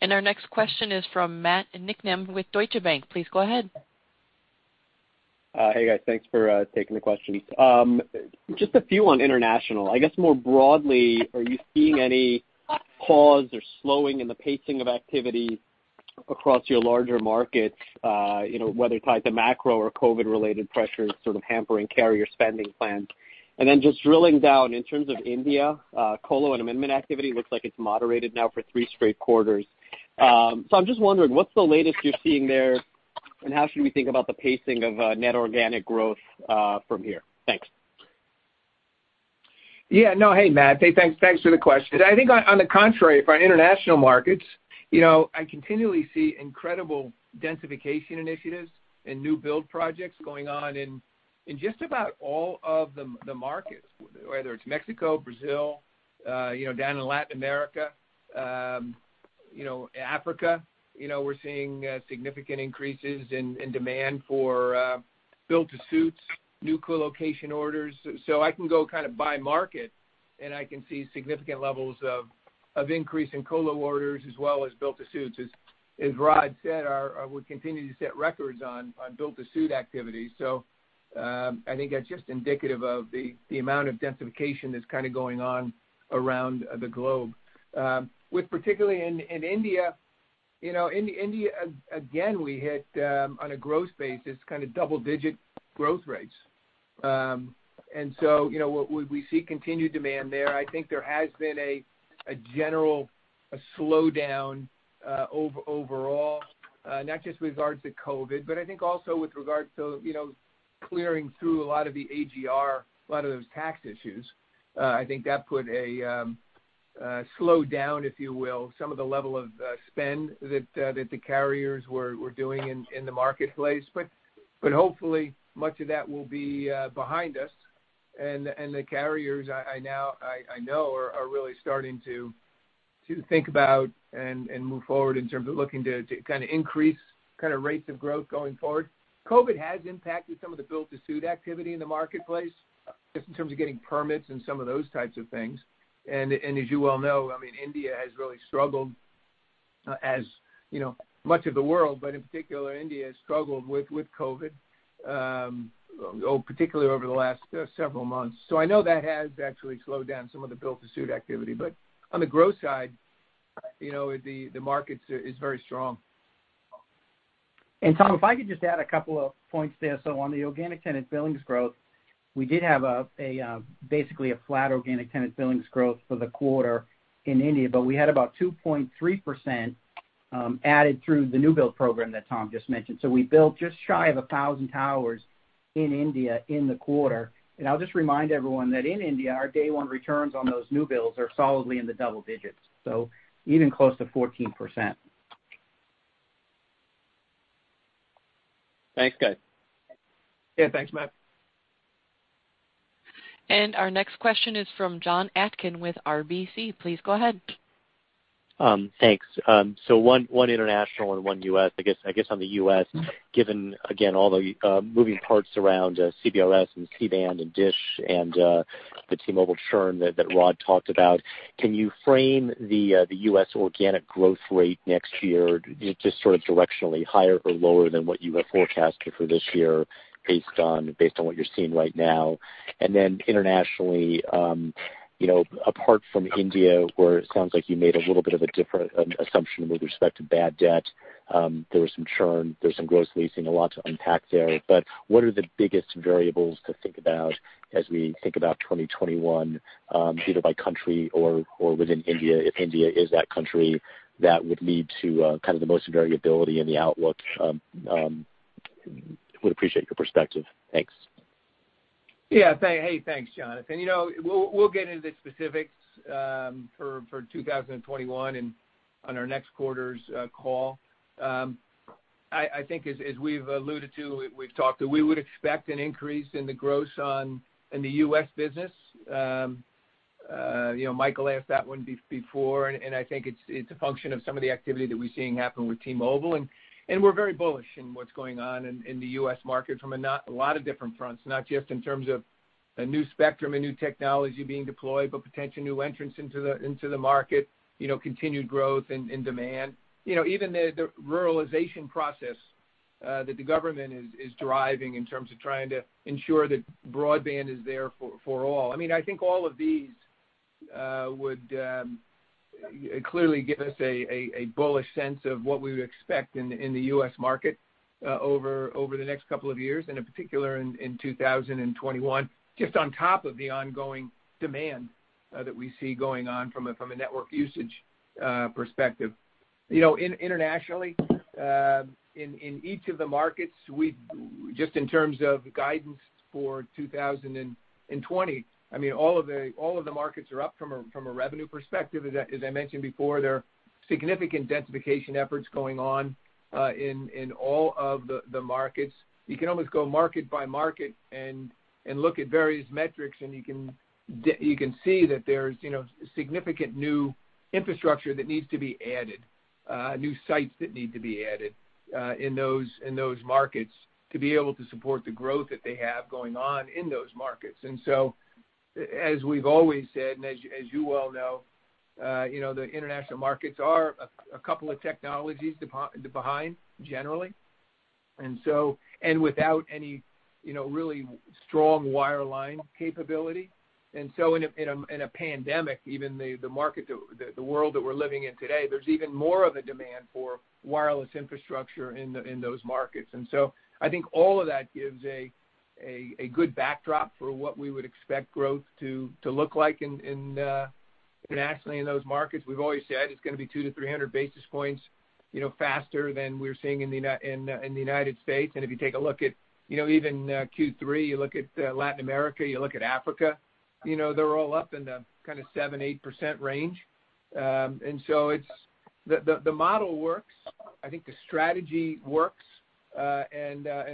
Our next question is from Matt Niknam with Deutsche Bank. Please go ahead. Hey, guys. Thanks for taking the questions. Just a few on international. I guess more broadly, are you seeing any pause or slowing in the pacing of activity across your larger markets, whether tied to macro or COVID-related pressures, sort of hampering carrier spending plans? Just drilling down in terms of India, colo and amendment activity looks like it's moderated now for three straight quarters. I'm just wondering, what's the latest you're seeing there, and how should we think about the pacing of net organic growth from here? Thanks. Yeah. No. Hey, Matt. Hey, thanks for the question. I think on the contrary, for our international markets, I continually see incredible densification initiatives and new build projects going on in just about all of the markets, whether it's Mexico, Brazil, down in Latin America, Africa. We're seeing significant increases in demand for build to suits, new co-location orders. I can go by market, and I can see significant levels of increase in colo orders as well as build to suits. As Rod said, we continue to set records on build to suit activity. I think that's just indicative of the amount of densification that's going on around the globe. With particularly in India, again, we hit, on a growth basis, double-digit growth rates. We see continued demand there. I think there has been a general slowdown overall, not just with regards to COVID, but I think also with regards to clearing through a lot of the AGR, a lot of those tax issues. I think that put a slowdown, if you will, some of the level of spend that the carriers were doing in the marketplace. Hopefully, much of that will be behind us. The carriers, I know, are really starting to think about and move forward in terms of looking to increase rates of growth going forward. COVID has impacted some of the build to suit activity in the marketplace, just in terms of getting permits and some of those types of things. As you well know, India has really struggled as much of the world, but in particular, India has struggled with COVID, particularly over the last several months. I know that has actually slowed down some of the build to suit activity. On the growth side, the market is very strong. Tom, if I could just add a couple of points there. On the organic tenant billings growth, we did have basically a flat organic tenant billings growth for the quarter in India, but we had about 2.3% added through the new build program that Tom just mentioned. We built just shy of 1,000 towers in India in the quarter. I'll just remind everyone that in India, our day one returns on those new builds are solidly in the double digits. Even close to 14%. Thanks, guys. Yeah, thanks, Matt. Our next question is from Jon Atkin with RBC. Please go ahead. Thanks. One international and one U.S. I guess on the U.S., given, again, all the moving parts around CBRS and C-band and Dish and the T-Mobile churn that Rod talked about, can you frame the U.S. organic growth rate next year, just directionally higher or lower than what you have forecasted for this year based on what you're seeing right now? Then internationally, apart from India, where it sounds like you made a little bit of a different assumption with respect to bad debt. There was some churn, there's some gross leasing, a lot to unpack there. What are the biggest variables to think about as we think about 2021, either by country or within India, if India is that country that would lead to the most variability in the outlook? Would appreciate your perspective. Thanks. Yeah. Hey, thanks, Jon. We'll get into the specifics for 2021 on our next quarter's call. I think as we've alluded to, we've talked that we would expect an increase in the gross on in the U.S. business. Michael asked that one before. I think it's a function of some of the activity that we're seeing happen with T-Mobile, and we're very bullish in what's going on in the U.S. market from a lot of different fronts, not just in terms of a new spectrum, a new technology being deployed, but potential new entrants into the market, continued growth and demand. Even the ruralization process that the government is driving in terms of trying to ensure that broadband is there for all. I think all of these would clearly give us a bullish sense of what we would expect in the U.S. market over the next couple of years, and in particular in 2021, just on top of the ongoing demand that we see going on from a network usage perspective. Internationally, in each of the markets, just in terms of guidance for 2020, all of the markets are up from a revenue perspective. As I mentioned before, there are significant densification efforts going on in all of the markets. You can almost go market by market and look at various metrics, and you can see that there's significant new infrastructure that needs to be added, new sites that need to be added in those markets to be able to support the growth that they have going on in those markets. As we've always said, and as you well know, the international markets are a couple of technologies behind generally and without any really strong wireline capability. In a pandemic, even the world that we're living in today, there's even more of a demand for wireless infrastructure in those markets. I think all of that gives a good backdrop for what we would expect growth to look like internationally in those markets. We've always said it's going to be 200 to 300 basis points faster than we're seeing in the United States. If you take a look at even Q3, you look at Latin America, you look at Africa, they're all up in the 7%, 8% range. The model works. I think the strategy works.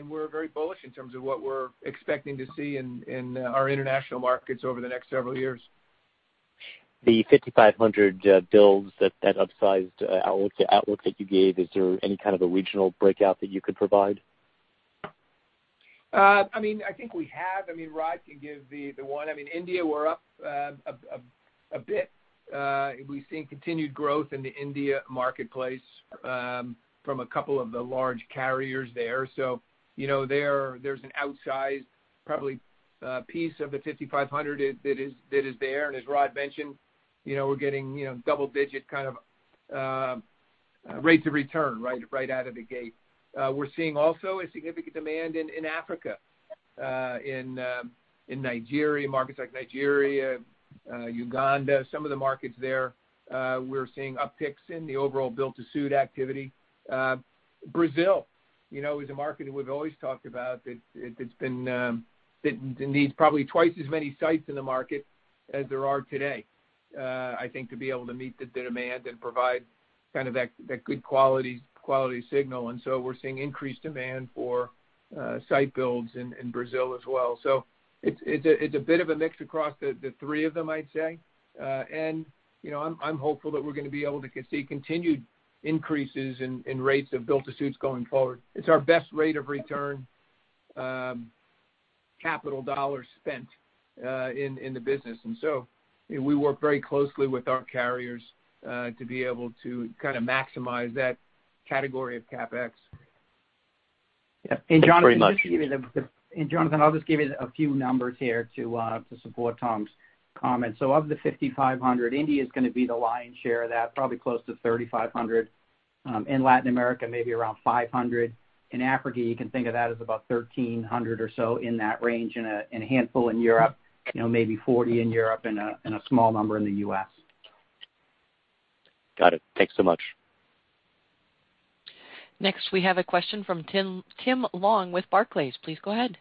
We're very bullish in terms of what we're expecting to see in our international markets over the next several years. The 5,500 builds, that upsized outlook that you gave, is there any kind of a regional breakout that you could provide? I think we have. Rod can give the one. India, we're up a bit. We've seen continued growth in the India marketplace from a couple of the large carriers there. There's an outsized probably piece of the 5,500 that is there. As Rod mentioned, we're getting double-digit rates of return right out of the gate. We're seeing also a significant demand in Africa, in markets like Nigeria, Uganda, some of the markets there. We're seeing upticks in the overall build-to-suit activity. Brazil is a market that we've always talked about, that needs probably twice as many sites in the market as there are today, I think, to be able to meet the demand and provide that good quality signal. We're seeing increased demand for site builds in Brazil as well. It's a bit of a mix across the three of them, I'd say. I'm hopeful that we're going to be able to see continued increases in rates of build-to-suits going forward. It's our best rate of return capital dollars spent in the business. We work very closely with our carriers to be able to maximize that category of CapEx. Thanks very much. Jonathan, I'll just give you a few numbers here to support Tom's comments. Of the 5,500, India is going to be the lion's share of that, probably close to 3,500. In Latin America, maybe around 500. In Africa, you can think of that as about 1,300 or so in that range and a handful in Europe, maybe 40 in Europe and a small number in the U.S. Got it. Thanks so much. Next, we have a question from Tim Long with Barclays. Please go ahead.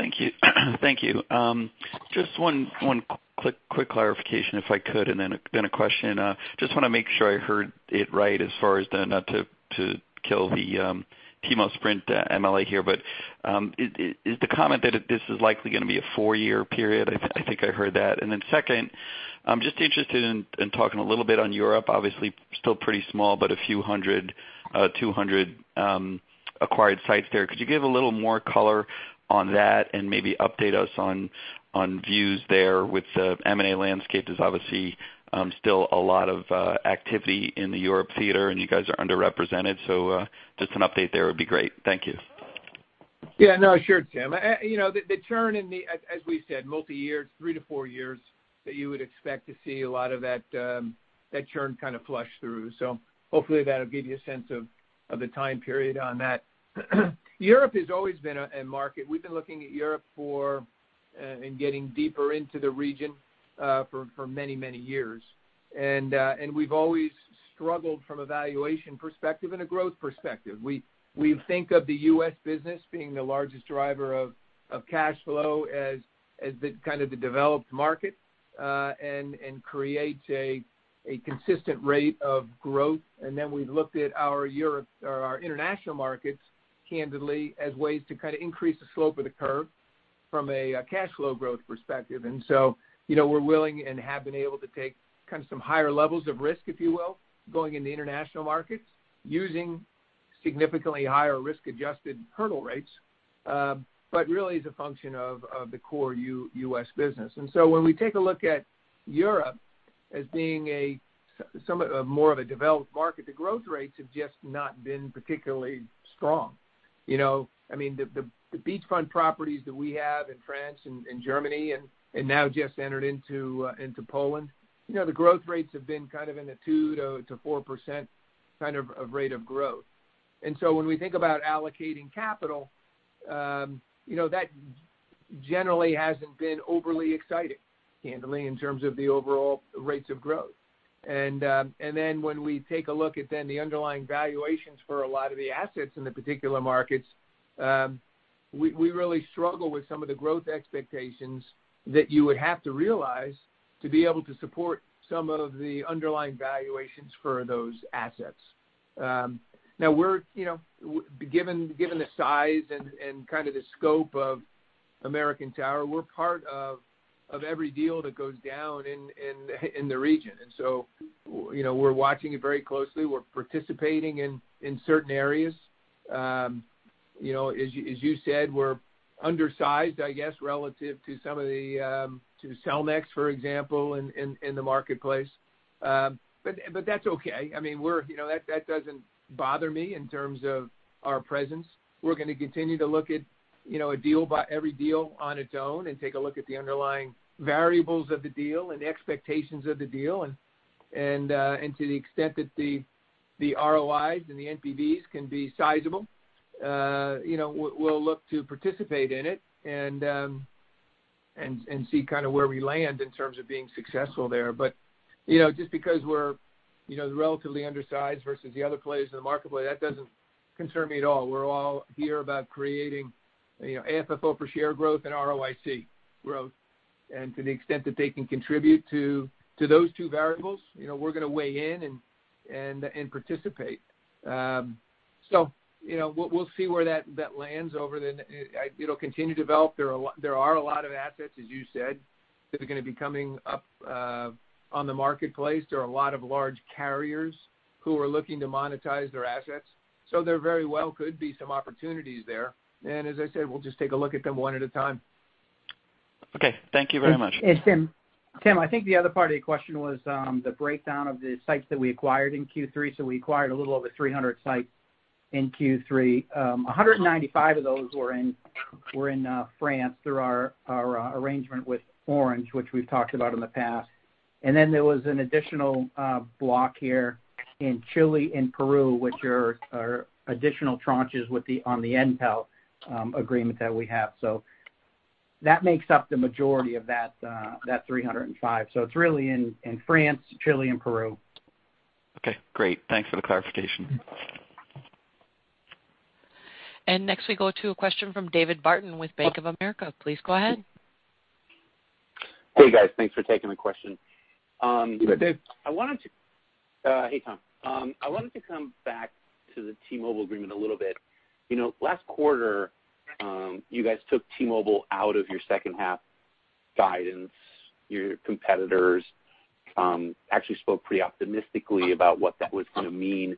Thank you. Thank you. Just one quick clarification, if I could, and then a question. Just wanna make sure I heard it right, as far as, not to kill the T-Mobile Sprint MLA here, but is the comment that this is likely gonna be a four-year period? I think I heard that. Second, I'm just interested in talking a little bit on Europe. Obviously, still pretty small, but a few hundred, 200 acquired sites there. Could you give a little more color on that and maybe update us on views there with the M&A landscape? There's obviously still a lot of activity in the Europe theater, and you guys are underrepresented. Just an update there would be great. Thank you. Yeah. No, sure, Tim. The churn in the, as we said, multiyear, it's three to four years that you would expect to see a lot of that churn kind of flush through. Hopefully, that'll give you a sense of the time period on that. Europe has always been a market. We've been looking at Europe for, and getting deeper into the region, for many, many years. We've always struggled from a valuation perspective and a growth perspective. We think of the U.S. business being the largest driver of cash flow as the kind of the developed market, and creates a consistent rate of growth. We've looked at our international markets, candidly, as ways to kind of increase the slope of the curve from a cash flow growth perspective. We're willing and have been able to take kind of some higher levels of risk, if you will, going into international markets, using significantly higher risk-adjusted hurdle rates. As a function of the core U.S. business. When we take a look at Europe as being more of a developed market, the growth rates have just not been particularly strong. The beachfront properties that we have in France, and in Germany and now just entered into Poland, the growth rates have been kind of in the 2%-4% kind of rate of growth. When we think about allocating capital, that generally hasn't been overly exciting, candidly, in terms of the overall rates of growth. When we take a look at the underlying valuations for a lot of the assets in the particular markets, we really struggle with some of the growth expectations that you would have to realize to be able to support some of the underlying valuations for those assets. Now, given the size and kind of the scope of American Tower, we're part of every deal that goes down in the region. We're watching it very closely. We're participating in certain areas. As you said, we're undersized, I guess, relative to some of the, to Cellnex, for example, in the marketplace. That's okay. That doesn't bother me in terms of our presence. We're going to continue to look at every deal on its own and take a look at the underlying variables of the deal and the expectations of the deal. To the extent that the ROIs and the NPVs can be sizable, we'll look to participate in it and see kind of where we land in terms of being successful there. Just because we're relatively undersized versus the other players in the marketplace, that doesn't concern me at all. We're all here about creating AFFO per share growth and ROIC growth. To the extent that they can contribute to those two variables, we're gonna weigh in and participate. We'll see where that lands. It'll continue to develop. There are a lot of assets, as you said, that are gonna be coming up on the marketplace. There are a lot of large carriers who are looking to monetize their assets. There very well could be some opportunities there. As I said, we'll just take a look at them one at a time. Okay. Thank you very much. Tim, I think the other part of your question was the breakdown of the sites that we acquired in Q3. We acquired a little over 300 sites in Q3. 195 of those were in France through our arrangement with Orange, which we've talked about in the past. There was an additional block here in Chile and Peru, which are additional tranches on the Entel agreement that we have. That makes up the majority of that 305. It's really in France, Chile, and Peru. Okay, great. Thanks for the clarification. Next, we go to a question from David Barden with Bank of America. Please go ahead. Hey, guys. Thanks for taking the question. You bet, Dave. Hey, Tom. I wanted to come back to the T-Mobile agreement a little bit. Last quarter, you guys took T-Mobile out of your second-half guidance. Your competitors actually spoke pretty optimistically about what that was gonna mean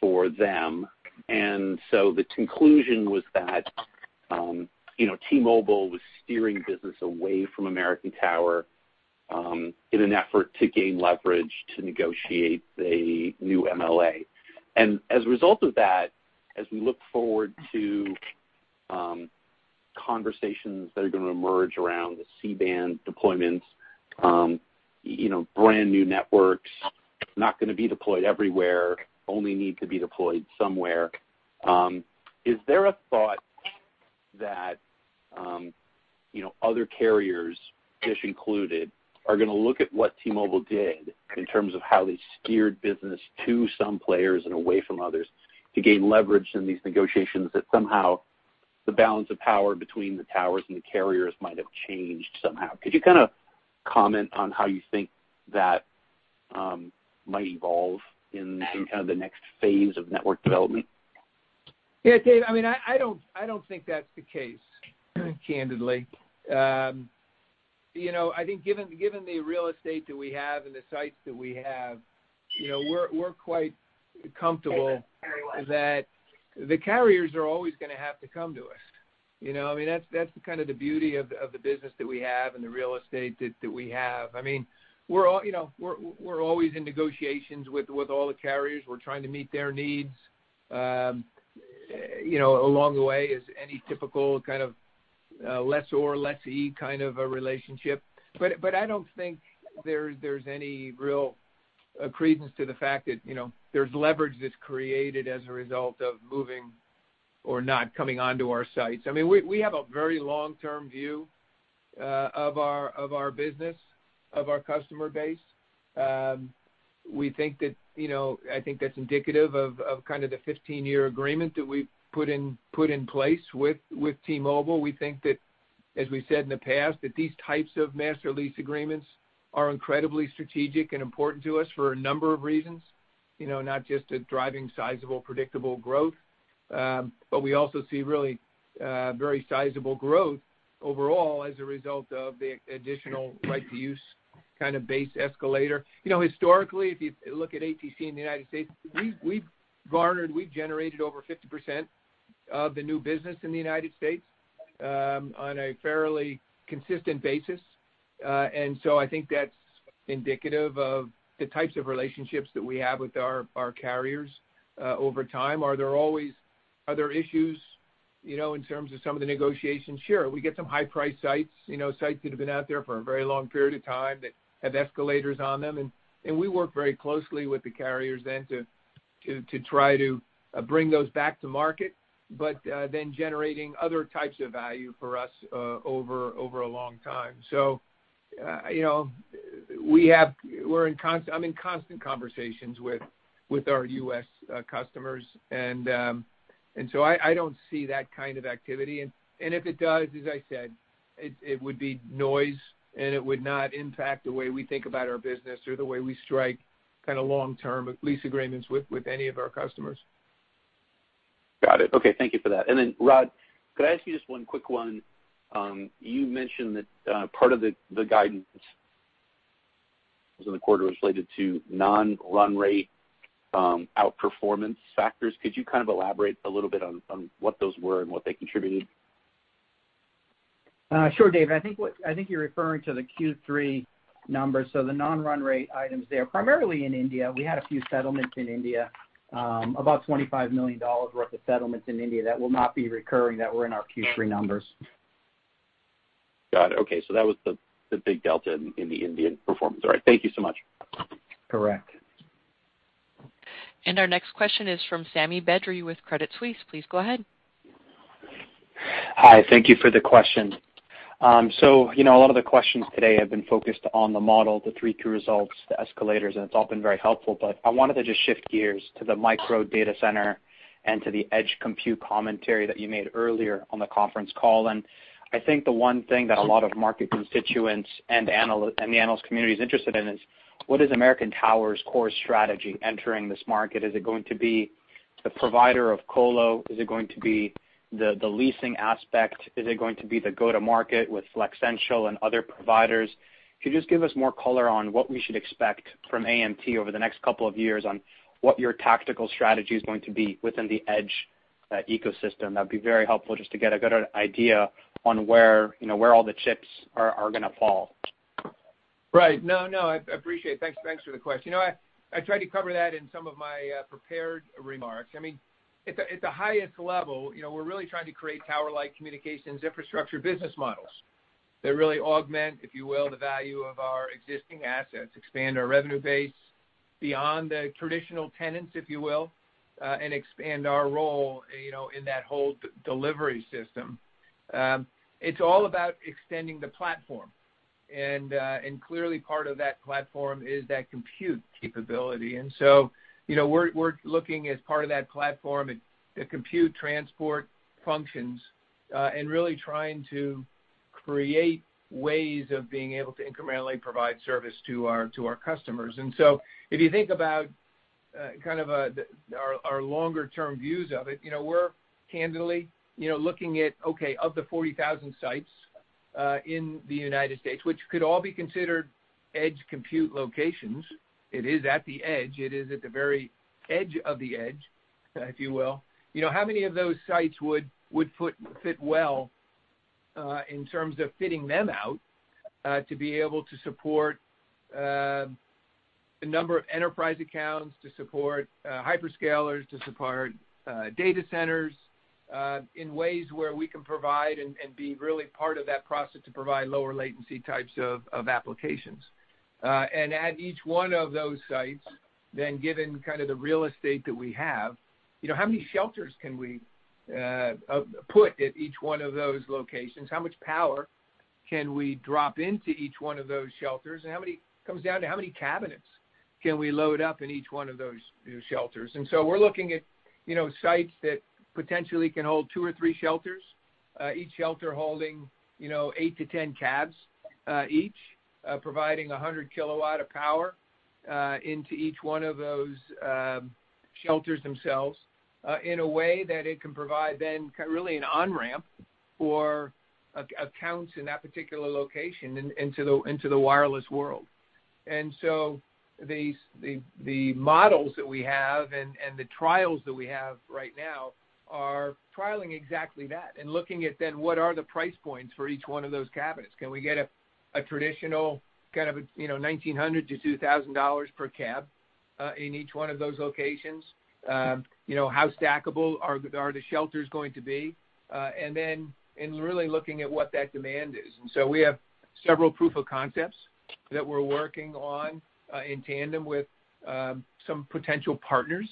for them. The conclusion was that T-Mobile was steering business away from American Tower in an effort to gain leverage to negotiate a new MLA. As a result of that, as we look forward to conversations that are gonna emerge around the C-band deployments, brand-new networks, not gonna be deployed everywhere, only need to be deployed somewhere. Is there a thought that other carriers, Dish included, are going to look at what T-Mobile did in terms of how they steered business to some players and away from others to gain leverage in these negotiations, that somehow the balance of power between the towers and the carriers might have changed somehow? Could you comment on how you think that might evolve in the next phase of network development? Yeah, David, I don't think that's the case, candidly. I think, given the real estate that we have and the sites that we have, we're quite comfortable that the carriers are always going to have to come to us. That's the beauty of the business that we have and the real estate that we have. We're always in negotiations with all the carriers. We're trying to meet their needs along the way, as any typical lessor-lessee kind of a relationship. I don't think there's any real credence to the fact that there's leverage that's created as a result of moving or not coming onto our sites. We have a very long-term view of our business, of our customer base. I think that's indicative of the 15-year agreement that we've put in place with T-Mobile. We think that, as we said in the past, that these types of master lease agreements are incredibly strategic and important to us for a number of reasons, not just at driving sizable, predictable growth. We also see really very sizable growth overall as a result of the additional right-to-use base escalator. Historically, if you look at ATC in the U.S., we've generated over 50% of the new business in the U.S. on a fairly consistent basis. I think that's indicative of the types of relationships that we have with our carriers over time. Are there always other issues in terms of some of the negotiations? Sure. We get some high-priced sites that have been out there for a very long period of time, that have escalators on them, and we work very closely with the carriers then to try to bring those back to market, but then generating other types of value for us over a long time. I'm in constant conversations with our U.S. customers, and so I don't see that kind of activity. If it does, as I said, it would be noise, and it would not impact the way we think about our business or the way we strike long-term lease agreements with any of our customers. Got it. Okay. Thank you for that. Rod, could I ask you just one quick one? You mentioned that part of the guidance in the quarter was related to non-run rate outperformance factors. Could you elaborate a little bit on what those were and what they contributed? Sure, Dave. I think you're referring to the Q3 numbers. The non-run rate items there, primarily in India, we had a few settlements in India, about $25 million worth of settlements in India that will not be recurring, that were in our Q3 numbers. Got it. Okay. That was the big delta in the Indian performance. All right. Thank you so much. Correct. Our next question is from Sami Badri with Credit Suisse. Please go ahead. Hi. Thank you for the question. A lot of the questions today have been focused on the model, the 3Q results, the escalators, and it's all been very helpful, but I wanted to just shift gears to the micro data center and to the edge compute commentary that you made earlier on the conference call. I think the one thing that a lot of market constituents and the analyst community is interested in is, what is American Tower's core strategy entering this market? Is it going to be the provider of colo? Is it going to be the leasing aspect? Is it going to be the go-to market with Flexential and other providers? Could you just give us more color on what we should expect from AMT over the next couple of years on what your tactical strategy is going to be within the edge ecosystem? That'd be very helpful just to get a better idea on where all the chips are gonna fall. Right. No, I appreciate it. Thanks for the question. I tried to cover that in some of my prepared remarks. At the highest level, we're really trying to create tower-like communications infrastructure business models that really augment, if you will, the value of our existing assets, expand our revenue base beyond the traditional tenants, if you will, and expand our role in that whole delivery system. It's all about extending the platform. Clearly, part of that platform is that compute capability. We're looking as part of that platform at the compute transport functions, and really trying to create ways of being able to incrementally provide service to our customers. If you think about our longer-term views of it, we're candidly looking at, okay, of the 40,000 sites in the United States, which could all be considered edge compute locations, it is at the edge, it is at the very edge of the edge, if you will. How many of those sites would fit well, in terms of fitting them out, to be able to support a number of enterprise accounts, to support hyperscalers, to support data centers in ways where we can provide and be really part of that process to provide lower latency types of applications? At each one of those sites, given the real estate that we have, how many shelters can we put at each one of those locations? How much power can we drop into each one of those shelters? It comes down to how many cabinets can we load up in each one of those new shelters? We're looking at sites that potentially can hold two or three shelters, each shelter holding eight to 10 cabs each, providing 100 kW of power into each one of those shelters themselves, in a way that it can provide then really an on-ramp for accounts in that particular location into the wireless world. The models that we have and the trials that we have right now are trialing exactly that and looking at then what are the price points for each one of those cabinets. Can we get a traditional $1,900-$2,000 per cab in each one of those locations? How stackable are the shelters going to be? Really looking at what that demand is. We have several proof of concepts that we're working on in tandem with some potential partners,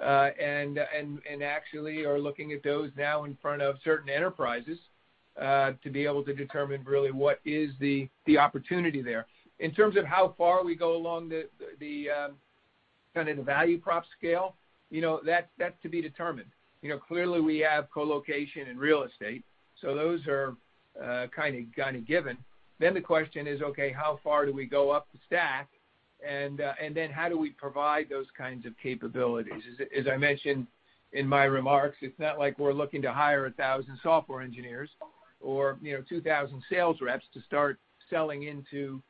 and actually are looking at those now in front of certain enterprises, to be able to determine really what is the opportunity there. In terms of how far we go along the value prop scale, that's to be determined. Clearly, we have colocation and real estate, so those are kind of given. The question is, okay, how far do we go up the stack? How do we provide those kinds of capabilities? As I mentioned in my remarks, it's not like we're looking to hire 1,000 software engineers or 2,000 sales reps to start selling into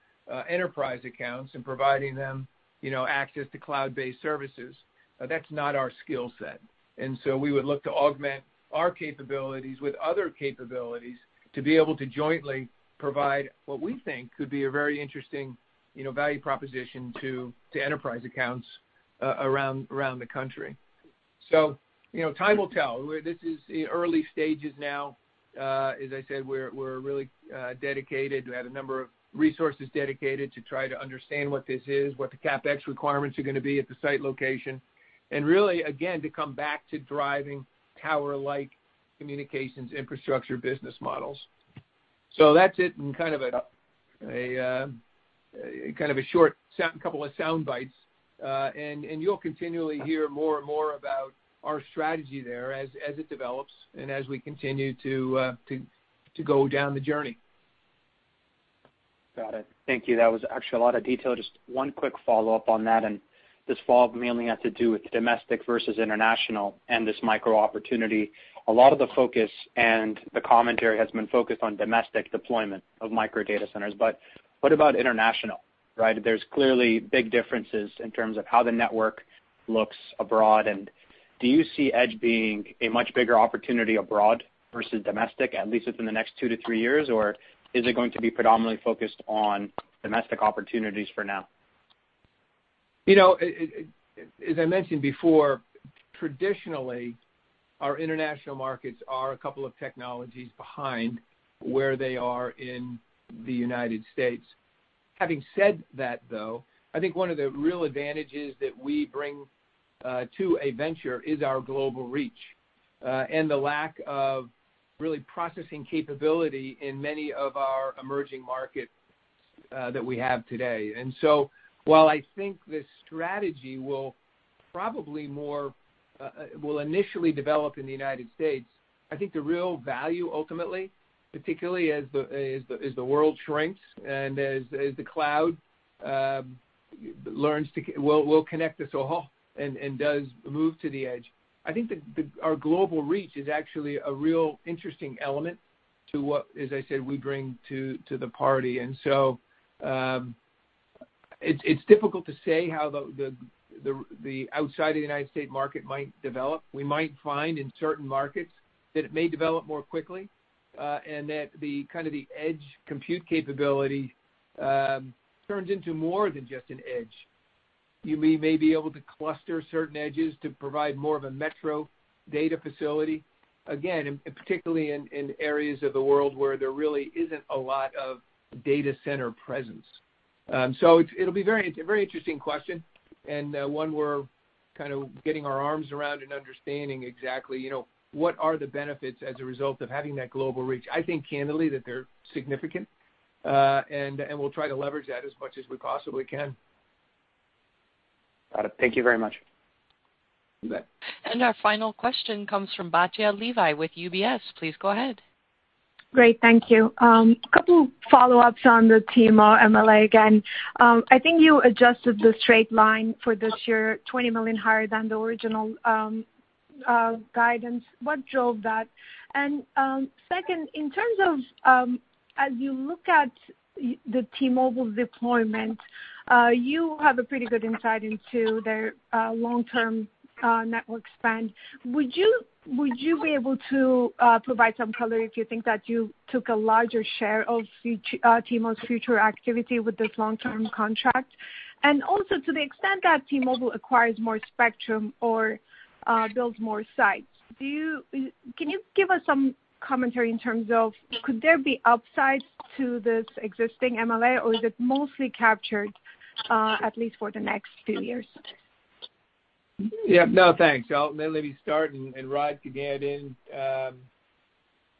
enterprise accounts and providing them access to cloud-based services. That's not our skill set. We would look to augment our capabilities with other capabilities to be able to jointly provide what we think could be a very interesting value proposition to enterprise accounts around the country. Time will tell. This is early stages now. As I said, we're really dedicated. We have a number of resources dedicated to try to understand what this is, what the CapEx requirements are going to be at the site location, and really, again, to come back to driving tower-like communications infrastructure business models. That's it in a short couple of sound bites. You'll continually hear more and more about our strategy there as it develops and as we continue to go down the journey. Got it. Thank you. That was actually a lot of detail. Just one quick follow-up on that, and this follow-up mainly has to do with domestic versus international and this micro opportunity. A lot of the focus and the commentary has been focused on domestic deployment of micro data centers. What about international, right? There's clearly big differences in terms of how the network looks abroad, and do you see edge being a much bigger opportunity abroad versus domestic, at least within the next two to three years? Or is it going to be predominantly focused on domestic opportunities for now? As I mentioned before, traditionally, our international markets are a couple of technologies behind where they are in the United States. Having said that, though, I think one of the real advantages that we bring to a venture is our global reach, and the lack of really processing capability in many of our emerging markets that we have today. While I think this strategy will initially develop in the United States, I think the real value, ultimately, particularly as the world shrinks and as the cloud will connect us all and does move to the edge, I think that our global reach is actually a real interesting element to what, as I said, we bring to the party. It's difficult to say how the outside of the United States market might develop. We might find in certain markets that it may develop more quickly, and that the edge compute capability turns into more than just an edge. You may be able to cluster certain edges to provide more of a metro data facility. Again, particularly in areas of the world where there really isn't a lot of data center presence. It'll be very interesting question, and one we're getting our arms around and understanding exactly what are the benefits as a result of having that global reach. I think candidly that they're significant, and we'll try to leverage that as much as we possibly can. Got it. Thank you very much. You bet. Our final question comes from Batya Levi with UBS. Please go ahead. Great. Thank you. Couple follow-ups on the TMO MLA again. I think you adjusted the straight line for this year $20 million higher than the original guidance. What drove that? Second, in terms of as you look at the T-Mobile deployment, you have a pretty good insight into their long-term network spend. Would you be able to provide some color if you think that you took a larger share of T-Mobile's future activity with this long-term contract? Also, to the extent that T-Mobile acquires more spectrum or builds more sites, can you give us some commentary in terms of could there be upsides to this existing MLA, or is it mostly captured at least for the next few years? Yeah. No, thanks. I'll maybe start, and Rod can add in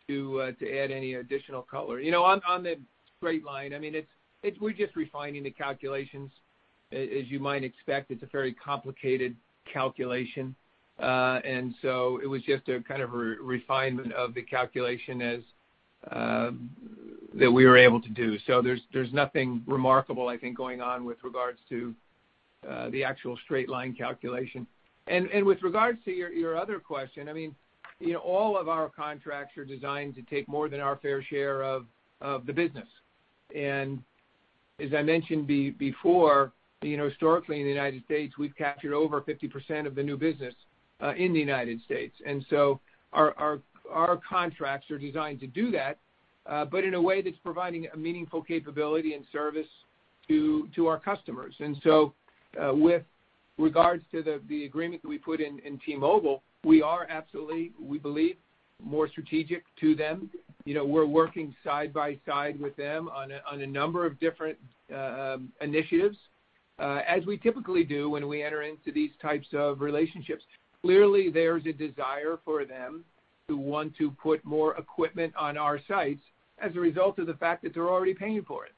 to add any additional color. On the straight line, we're just refining the calculations. As you might expect, it's a very complicated calculation. It was just a kind of a refinement of the calculation that we were able to do. There's nothing remarkable, I think, going on with regards to the actual straight-line calculation. With regards to your other question, all of our contracts are designed to take more than our fair share of the business. As I mentioned before, historically in the United States, we've captured over 50% of the new business in the United States. Our contracts are designed to do that, but in a way that's providing a meaningful capability and service to our customers. With regards to the agreement that we put in T-Mobile, we are absolutely, we believe, more strategic to them. We're working side by side with them on a number of different initiatives, as we typically do when we enter into these types of relationships. Clearly, there's a desire for them to want to put more equipment on our sites as a result of the fact that they're already paying for it.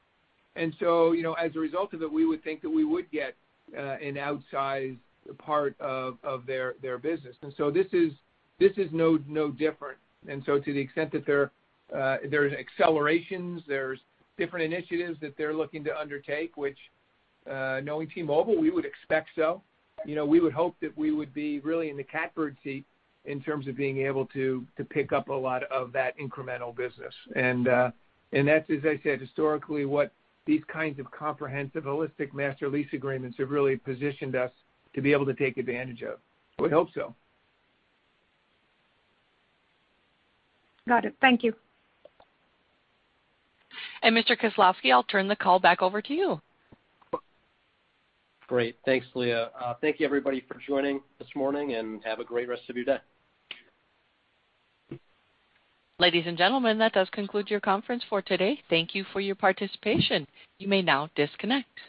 As a result of that, we would think that we would get an outsized part of their business. This is no different. To the extent that there's accelerations, there's different initiatives that they're looking to undertake, which, knowing T-Mobile, we would expect so. We would hope that we would be really in the catbird seat in terms of being able to pick up a lot of that incremental business. That's, as I said, historically, what these kinds of comprehensive holistic master lease agreements have really positioned us to be able to take advantage of. We hope so. Got it. Thank you. Mr. Khislavsky, I'll turn the call back over to you. Great. Thanks, Leah. Thank you, everybody, for joining this morning. Have a great rest of your day. Ladies and gentlemen, that does conclude your conference for today. Thank you for your participation. You may now disconnect.